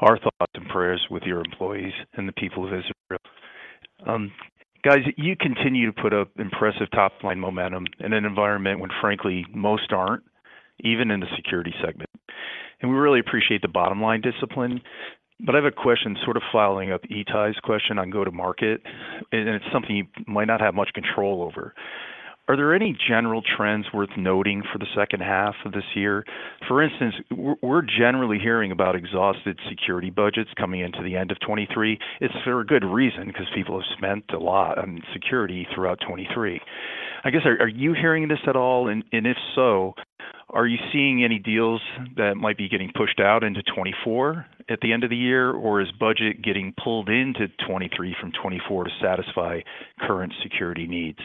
[SPEAKER 11] our thoughts and prayers with your employees and the people of Israel. Guys, you continue to put up impressive top-line momentum in an environment when, frankly, most aren't, even in the security segment. And we really appreciate the bottom line discipline. But I have a question sort of following up Ittai's question on go-to-market, and it's something you might not have much control over. Are there any general trends worth noting for the second half of this year? For instance, we're generally hearing about exhausted security budgets coming into the end of 2023. It's for a good reason, because people have spent a lot on security throughout 2023. I guess, are you hearing this at all? And if so- Are you seeing any deals that might be getting pushed out into 2024 at the end of the year? Or is budget getting pulled into 2023 from 2024 to satisfy current security needs?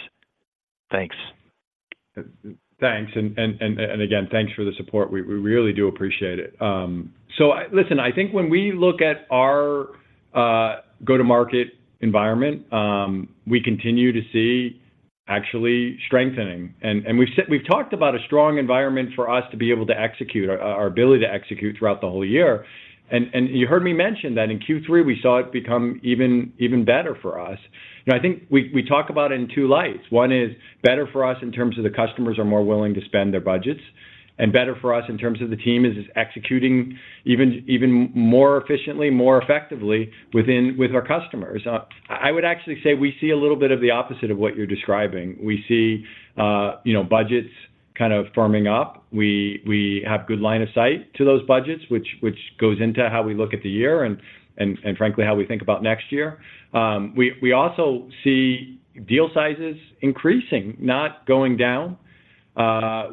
[SPEAKER 11] Thanks.
[SPEAKER 3] Thanks. And again, thanks for the support. We really do appreciate it. So, listen, I think when we look at our go-to-market environment, we continue to see actually strengthening. And we've said—we've talked about a strong environment for us to be able to execute, our ability to execute throughout the whole year. And you heard me mention that in Q3, we saw it become even better for us. You know, I think we talk about it in two lights. One is better for us in terms of the customers are more willing to spend their budgets, and better for us in terms of the team is executing even more efficiently, more effectively with our customers. I would actually say we see a little bit of the opposite of what you're describing. We see, you know, budgets kind of firming up. We have good line of sight to those budgets, which goes into how we look at the year and frankly, how we think about next year. We also see deal sizes increasing, not going down.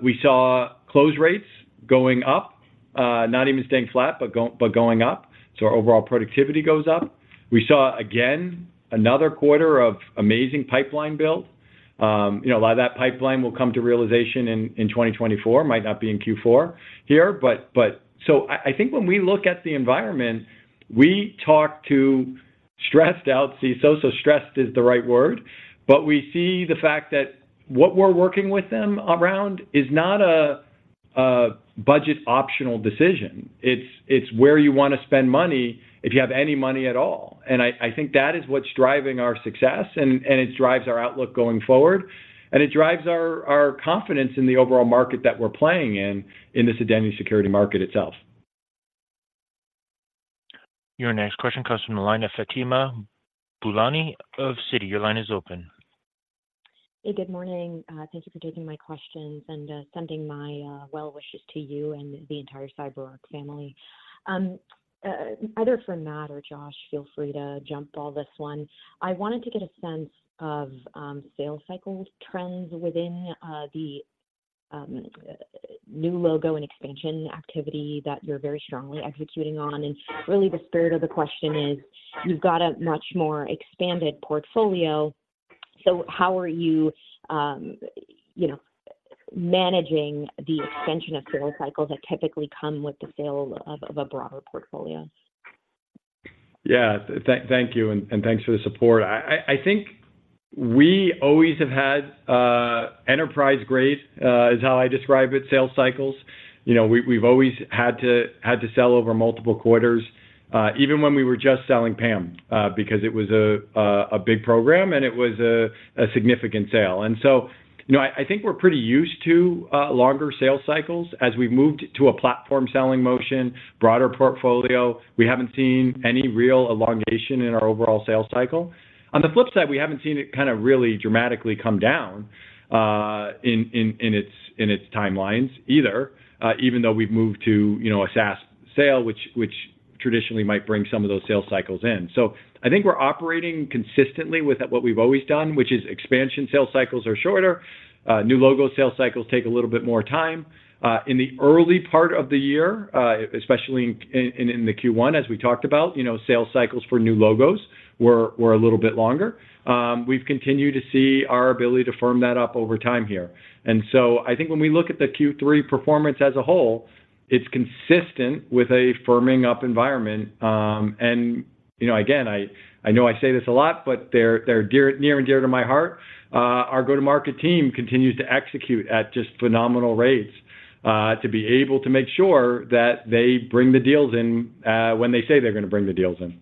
[SPEAKER 3] We saw close rates going up, not even staying flat, but going up, so our overall productivity goes up. We saw, again, another quarter of amazing pipeline build. You know, a lot of that pipeline will come to realization in 2024, might not be in Q4 here. But so I think when we look at the environment, we talk to stressed out CISOs, so stressed is the right word, but we see the fact that what we're working with them around is not a budget optional decision. It's where you want to spend money if you have any money at all. I think that is what's driving our success, and it drives our outlook going forward, and it drives our confidence in the overall market that we're playing in, in the Identity Security market itself.
[SPEAKER 1] Your next question comes from the line of Fatima Boolani of Citi. Your line is open.
[SPEAKER 12] Hey, good morning. Thank you for taking my questions and sending my well wishes to you and the entire CyberArk family. Either for Matt or Josh, feel free to jump on this one: I wanted to get a sense of sales cycle trends within the new logo and expansion activity that you're very strongly executing on. And really, the spirit of the question is, you've got a much more expanded portfolio, so how are you, you know, managing the extension of sales cycles that typically come with the sale of a broader portfolio?
[SPEAKER 3] Yeah. Thank you, and thanks for the support. I think we always have had enterprise-grade is how I describe it sales cycles. You know, we've always had to sell over multiple quarters even when we were just selling PAM because it was a big program and it was a significant sale. And so, you know, I think we're pretty used to longer sales cycles. As we've moved to a platform-selling motion, broader portfolio, we haven't seen any real elongation in our overall sales cycle. On the flip side, we haven't seen it kind of really dramatically come down in its timelines either even though we've moved to you know a SaaS sale, which traditionally might bring some of those sales cycles in. So I think we're operating consistently with what we've always done, which is expansion sales cycles are shorter, new logo sales cycles take a little bit more time. In the early part of the year, especially in the Q1, as we talked about, you know, sales cycles for new logos were a little bit longer. We've continued to see our ability to firm that up over time here. And so I think when we look at the Q3 performance as a whole, it's consistent with a firming up environment. You know, again, I know I say this a lot, but they're near and dear to my heart. Our go-to-market team continues to execute at just phenomenal rates to be able to make sure that they bring the deals in when they say they're going to bring the deals in.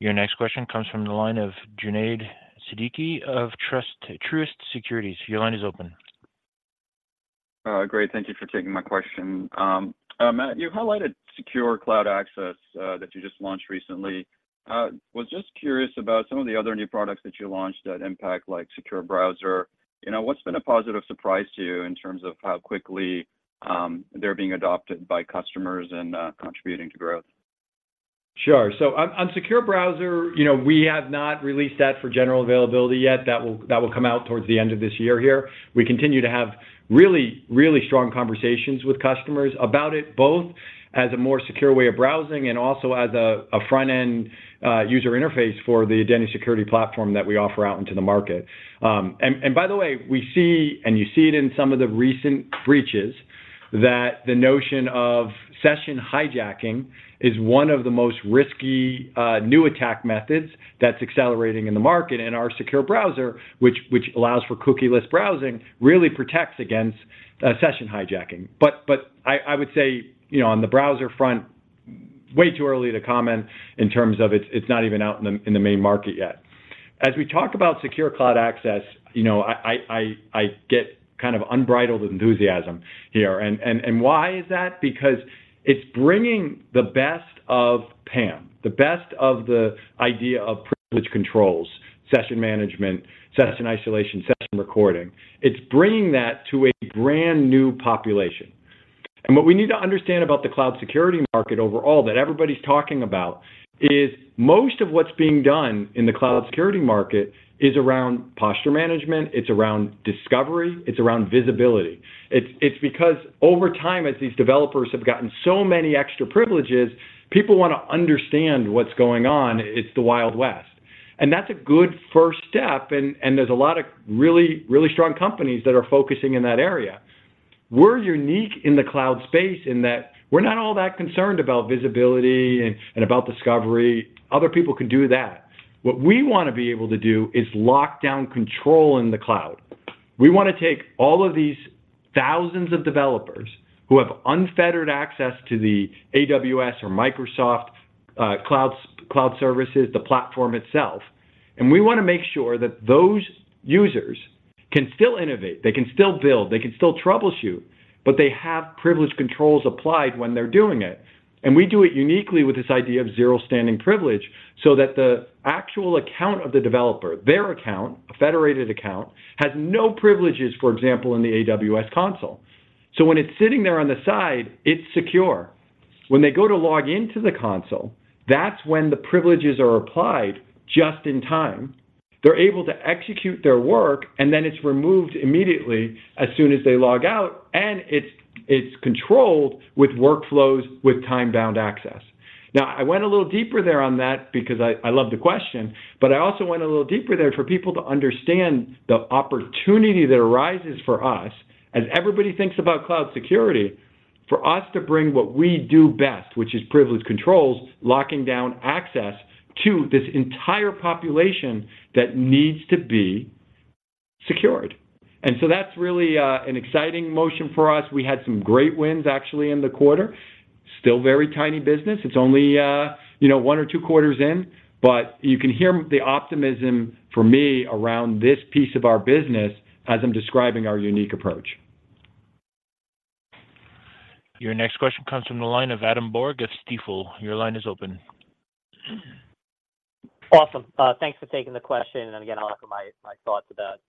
[SPEAKER 1] Your next question comes from the line of Junaid Siddiqui of Truist Securities. Your line is open.
[SPEAKER 13] Great. Thank you for taking my question. Matt, you highlighted Secure Cloud Access that you just launched recently. Was just curious about some of the other new products that you launched that impact, like Secure Browser. You know, what's been a positive surprise to you in terms of how quickly they're being adopted by customers and contributing to growth?
[SPEAKER 3] Sure. So on Secure Browser, you know, we have not released that for general availability yet. That will come out towards the end of this year here. We continue to have really, really strong conversations with customers about it, both as a more secure way of browsing and also as a front-end user interface for Identity Security Platform that we offer out into the market. And by the way, we see, and you see it in some of the recent breaches, that the notion of session hijacking is one of the most risky new attack methods that's accelerating in the market. And our Secure Browser, which allows for cookie-less browsing, really protects against session hijacking. But I would say, you know, on the browser front, way too early to comment in terms of it's not even out in the main market yet. As we talk about Secure Cloud Access, you know, I get kind of unbridled enthusiasm here. And why is that? Because it's bringing the best of PAM, the best of the idea of privilege controls, session management, session isolation, session recording. It's bringing that to a brand-new population and what we need to understand about the cloud security market overall, that everybody's talking about, is most of what's being done in the cloud security market is around posture management, it's around discovery, it's around visibility. It's because over time, as these developers have gotten so many extra privileges, people wanna understand what's going on. It's the Wild West. That's a good first step, and there's a lot of really, really strong companies that are focusing in that area. We're unique in the cloud space in that we're not all that concerned about visibility and about discovery. Other people can do that. What we wanna be able to do is lock down control in the cloud. We wanna take all of these thousands of developers who have unfettered access to the AWS or Microsoft cloud services, the platform itself, and we wanna make sure that those users can still innovate, they can still build, they can still troubleshoot, but they have privilege controls applied when they're doing it. And we do it uniquely with this idea of zero standing privilege, so that the actual account of the developer, their account, a federated account, has no privileges, for example, in the AWS console. So when it's sitting there on the side, it's secure. When they go to log into the console, that's when the privileges are applied just in time. They're able to execute their work, and then it's removed immediately as soon as they log out, and it's controlled with workflows, with time-bound access. Now, I went a little deeper there on that because I love the question, but I also went a little deeper there for people to understand the opportunity that arises for us as everybody thinks about cloud security, for us to bring what we do best, which is privilege controls, locking down access to this entire population that needs to be secured. And so that's really, an exciting motion for us. We had some great wins, actually, in the quarter. Still very tiny business. It's only, you know, one or two quarters in, but you can hear the optimism for me around this piece of our business as I'm describing our unique approach.
[SPEAKER 1] Your next question comes from the line of Adam Borg of Stifel. Your line is open.
[SPEAKER 14] Awesome. Thanks for taking the question, and again, I'll offer my, my thoughts about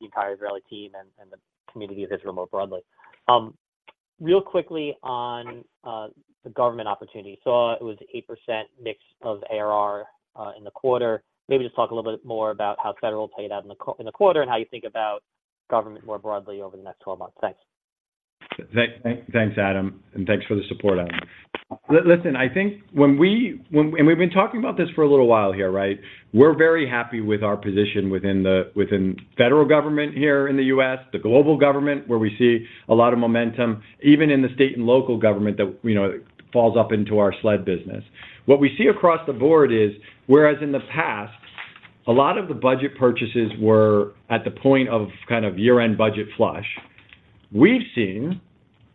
[SPEAKER 14] the entire Israeli team and, and the community of Israel more broadly. Real quickly on the government opportunity. So it was 8% mix of ARR in the quarter. Maybe just talk a little bit more about how federal played out in the quarter, and how you think about government more broadly over the next 12 months. Thanks.
[SPEAKER 3] Thanks, Adam, and thanks for the support on this. Listen, I think when we, when, and we've been talking about this for a little while here, right? We're very happy with our position within the federal government here in the U.S., the global government, where we see a lot of momentum, even in the state and local government that, you know, falls up into our SLED business. What we see across the board is, whereas in the past, a lot of the budget purchases were at the point of kind of year-end budget flush, we've seen,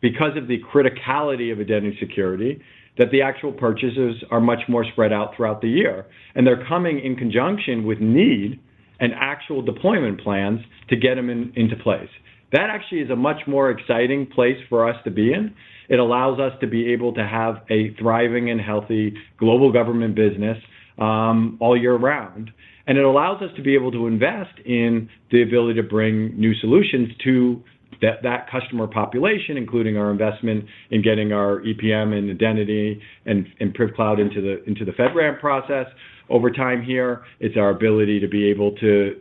[SPEAKER 3] because of the criticality of Identity Security, that the actual purchases are much more spread out throughout the year, and they're coming in conjunction with need and actual deployment plans to get them into place. That actually is a much more exciting place for us to be in. It allows us to be able to have a thriving and healthy global government business, all year round, and it allows us to be able to invest in the ability to bring new solutions to that customer population, including our investment in getting our EPM and Identity and PrivCloud into the FedRAMP process over time here. It's our ability to be able to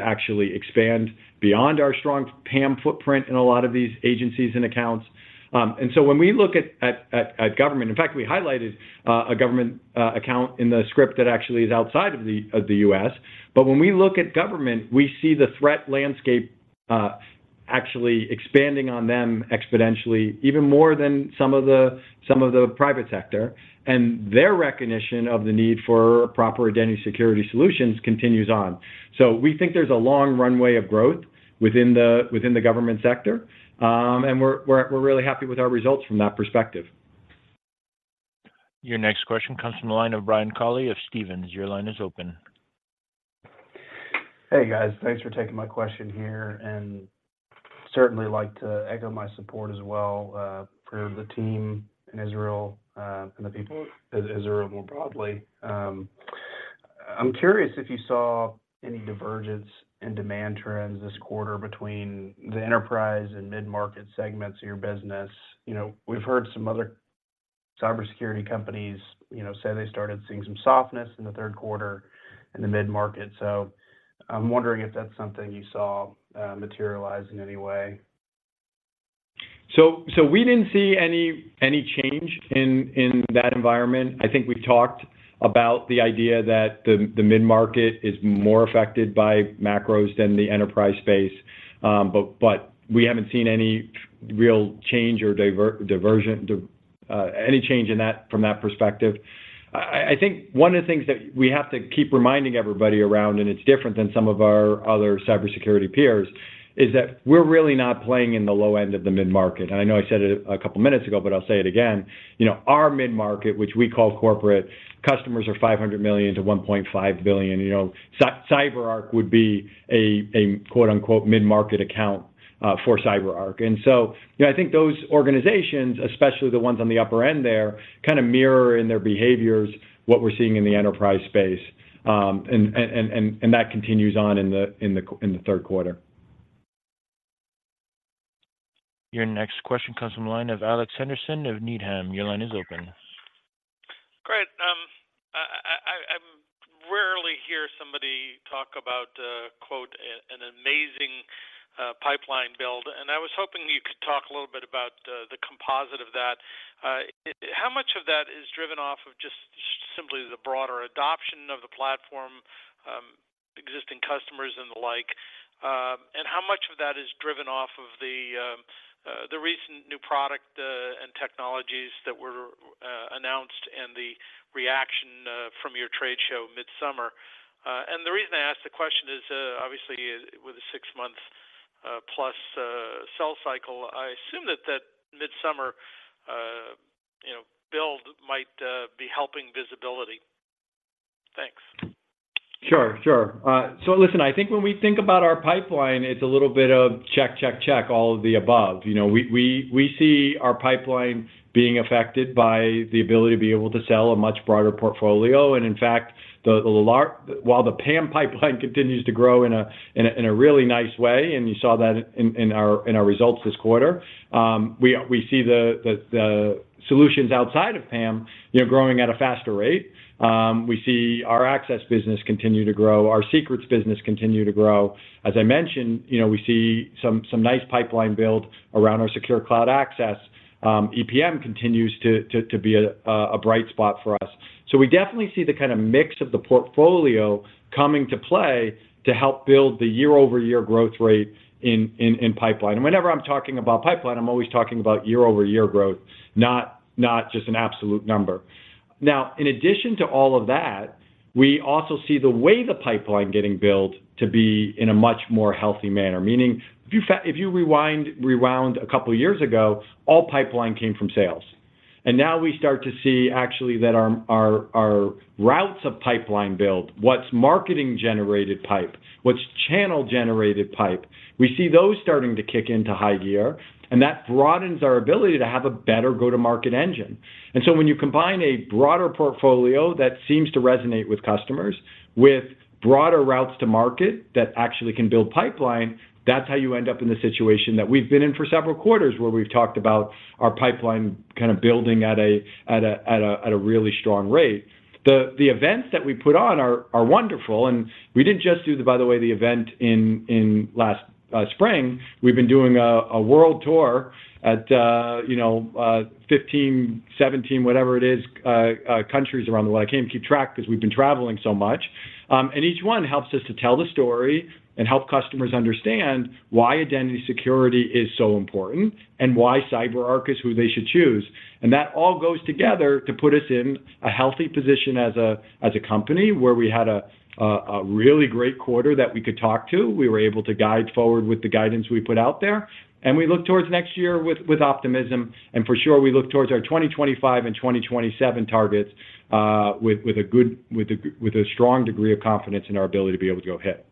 [SPEAKER 3] actually expand beyond our strong PAM footprint in a lot of these agencies and accounts. And so when we look at government in fact, we highlighted a government account in the script that actually is outside of the U.S. But when we look at government, we see the threat landscape actually expanding on them exponentially, even more than some of the private sector, and their recognition of the need for proper Identity Security solutions continues on. So we think there's a long runway of growth within the government sector, and we're really happy with our results from that perspective.
[SPEAKER 1] Your next question comes from the line of Brian Colley of Stephens. Your line is open.
[SPEAKER 15] Hey, guys. Thanks for taking my question here, and certainly like to echo my support as well, for the team in Israel, and the people of Israel more broadly. I'm curious if you saw any divergence in demand trends this quarter between the enterprise and mid-market segments of your business. You know, we've heard some other cybersecurity companies, you know, say they started seeing some softness in the third quarter in the mid-market, so I'm wondering if that's something you saw, materialize in any way.
[SPEAKER 3] So we didn't see any change in that environment. I think we've talked about the idea that the mid-market is more affected by macros than the enterprise space, but we haven't seen any real change or diversion, any change in that from that perspective. I think one of the things that we have to keep reminding everybody around, and it's different than some of our other cybersecurity peers, is that we're really not playing in the low end of the mid-market. And I know I said it a couple of minutes ago, but I'll say it again. You know, our mid-market, which we call corporate, customers are $500 million to $1.5 billion. You know, CyberArk would be a quote-unquote mid-market account for CyberArk. So, you know, I think those organizations, especially the ones on the upper end there, kinda mirror in their behaviors what we're seeing in the enterprise space, and that continues on in the third quarter.
[SPEAKER 1] Your next question comes from the line of Alex Henderson of Needham. Your line is open.
[SPEAKER 16] Great. I rarely hear somebody talk about, quote, "an amazing pipeline build," and I was hoping you could talk a little bit about the composite of that. How much of that is driven off of just simply the broader adoption of the platform, existing customers and the like? And how much of that is driven off of the recent new product and technologies that were announced and the reaction from your trade show mid-summer? And the reason I ask the question is, obviously, with a six-month plus sell cycle, I assume that that mid-summer you know build might be helping visibility. Thanks.
[SPEAKER 3] Sure, sure. So listen, I think when we think about our pipeline, it's a little bit of check, check, check, all of the above. You know, we see our pipeline being affected by the ability to be able to sell a much broader portfolio. And in fact, while the PAM pipeline continues to grow in a really nice way, and you saw that in our results this quarter, we see the solutions outside of PAM, you know, growing at a faster rate. We see our Access business continue to grow, our secrets business continue to grow. As I mentioned, you know, we see some nice pipeline build around our Secure Cloud Access. EPM continues to be a bright spot for us. So we definitely see the kind of mix of the portfolio coming to play to help build the year-over-year growth rate in pipeline. And whenever I'm talking about pipeline, I'm always talking about year-over-year growth, not just an absolute number. Now, in addition to all of that, we also see the way the pipeline getting built to be in a much more healthy manner. Meaning, if you rewind a couple of years ago, all pipeline came from sales. And now we start to see actually that our routes of pipeline build, what's marketing-generated pipe, what's channel-generated pipe, we see those starting to kick into high gear, and that broadens our ability to have a better go-to-market engine. And so when you combine a broader portfolio that seems to resonate with customers, with broader routes to market that actually can build pipeline, that's how you end up in the situation that we've been in for several quarters, where we've talked about our pipeline kind of building at a really strong rate. The events that we put on are wonderful, and we didn't just do the, by the way, the event in last spring. We've been doing a world tour, you know, 15 countries, 17 countries, whatever it is, countries around the world. I can't keep track because we've been traveling so much. And each one helps us to tell the story and help customers understand why Identity Security is so important and why CyberArk is who they should choose. And that all goes together to put us in a healthy position as a company, where we had a really great quarter that we could talk to. We were able to guide forward with the guidance we put out there, and we look towards next year with optimism, and for sure, we look towards our 2025 and 2027 targets, with a strong degree of confidence in our ability to be able to go ahead.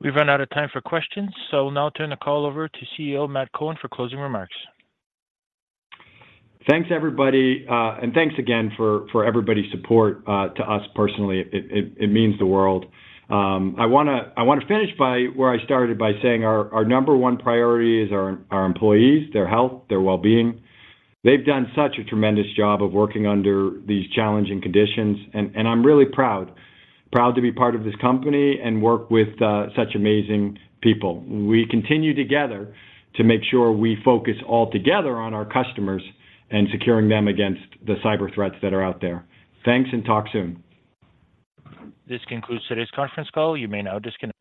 [SPEAKER 1] We've run out of time for questions, so we'll now turn the call over to CEO, Matt Cohen, for closing remarks.
[SPEAKER 3] Thanks, everybody, and thanks again for everybody's support to us personally. It means the world. I want to finish by where I started by saying our number one priority is our employees, their health, their well-being. They've done such a tremendous job of working under these challenging conditions, and I'm really proud to be part of this company and work with such amazing people. We continue together to make sure we focus all together on our customers and securing them against the cyber threats that are out there. Thanks, and talk soon.
[SPEAKER 1] This concludes today's conference call. You may now disconnect.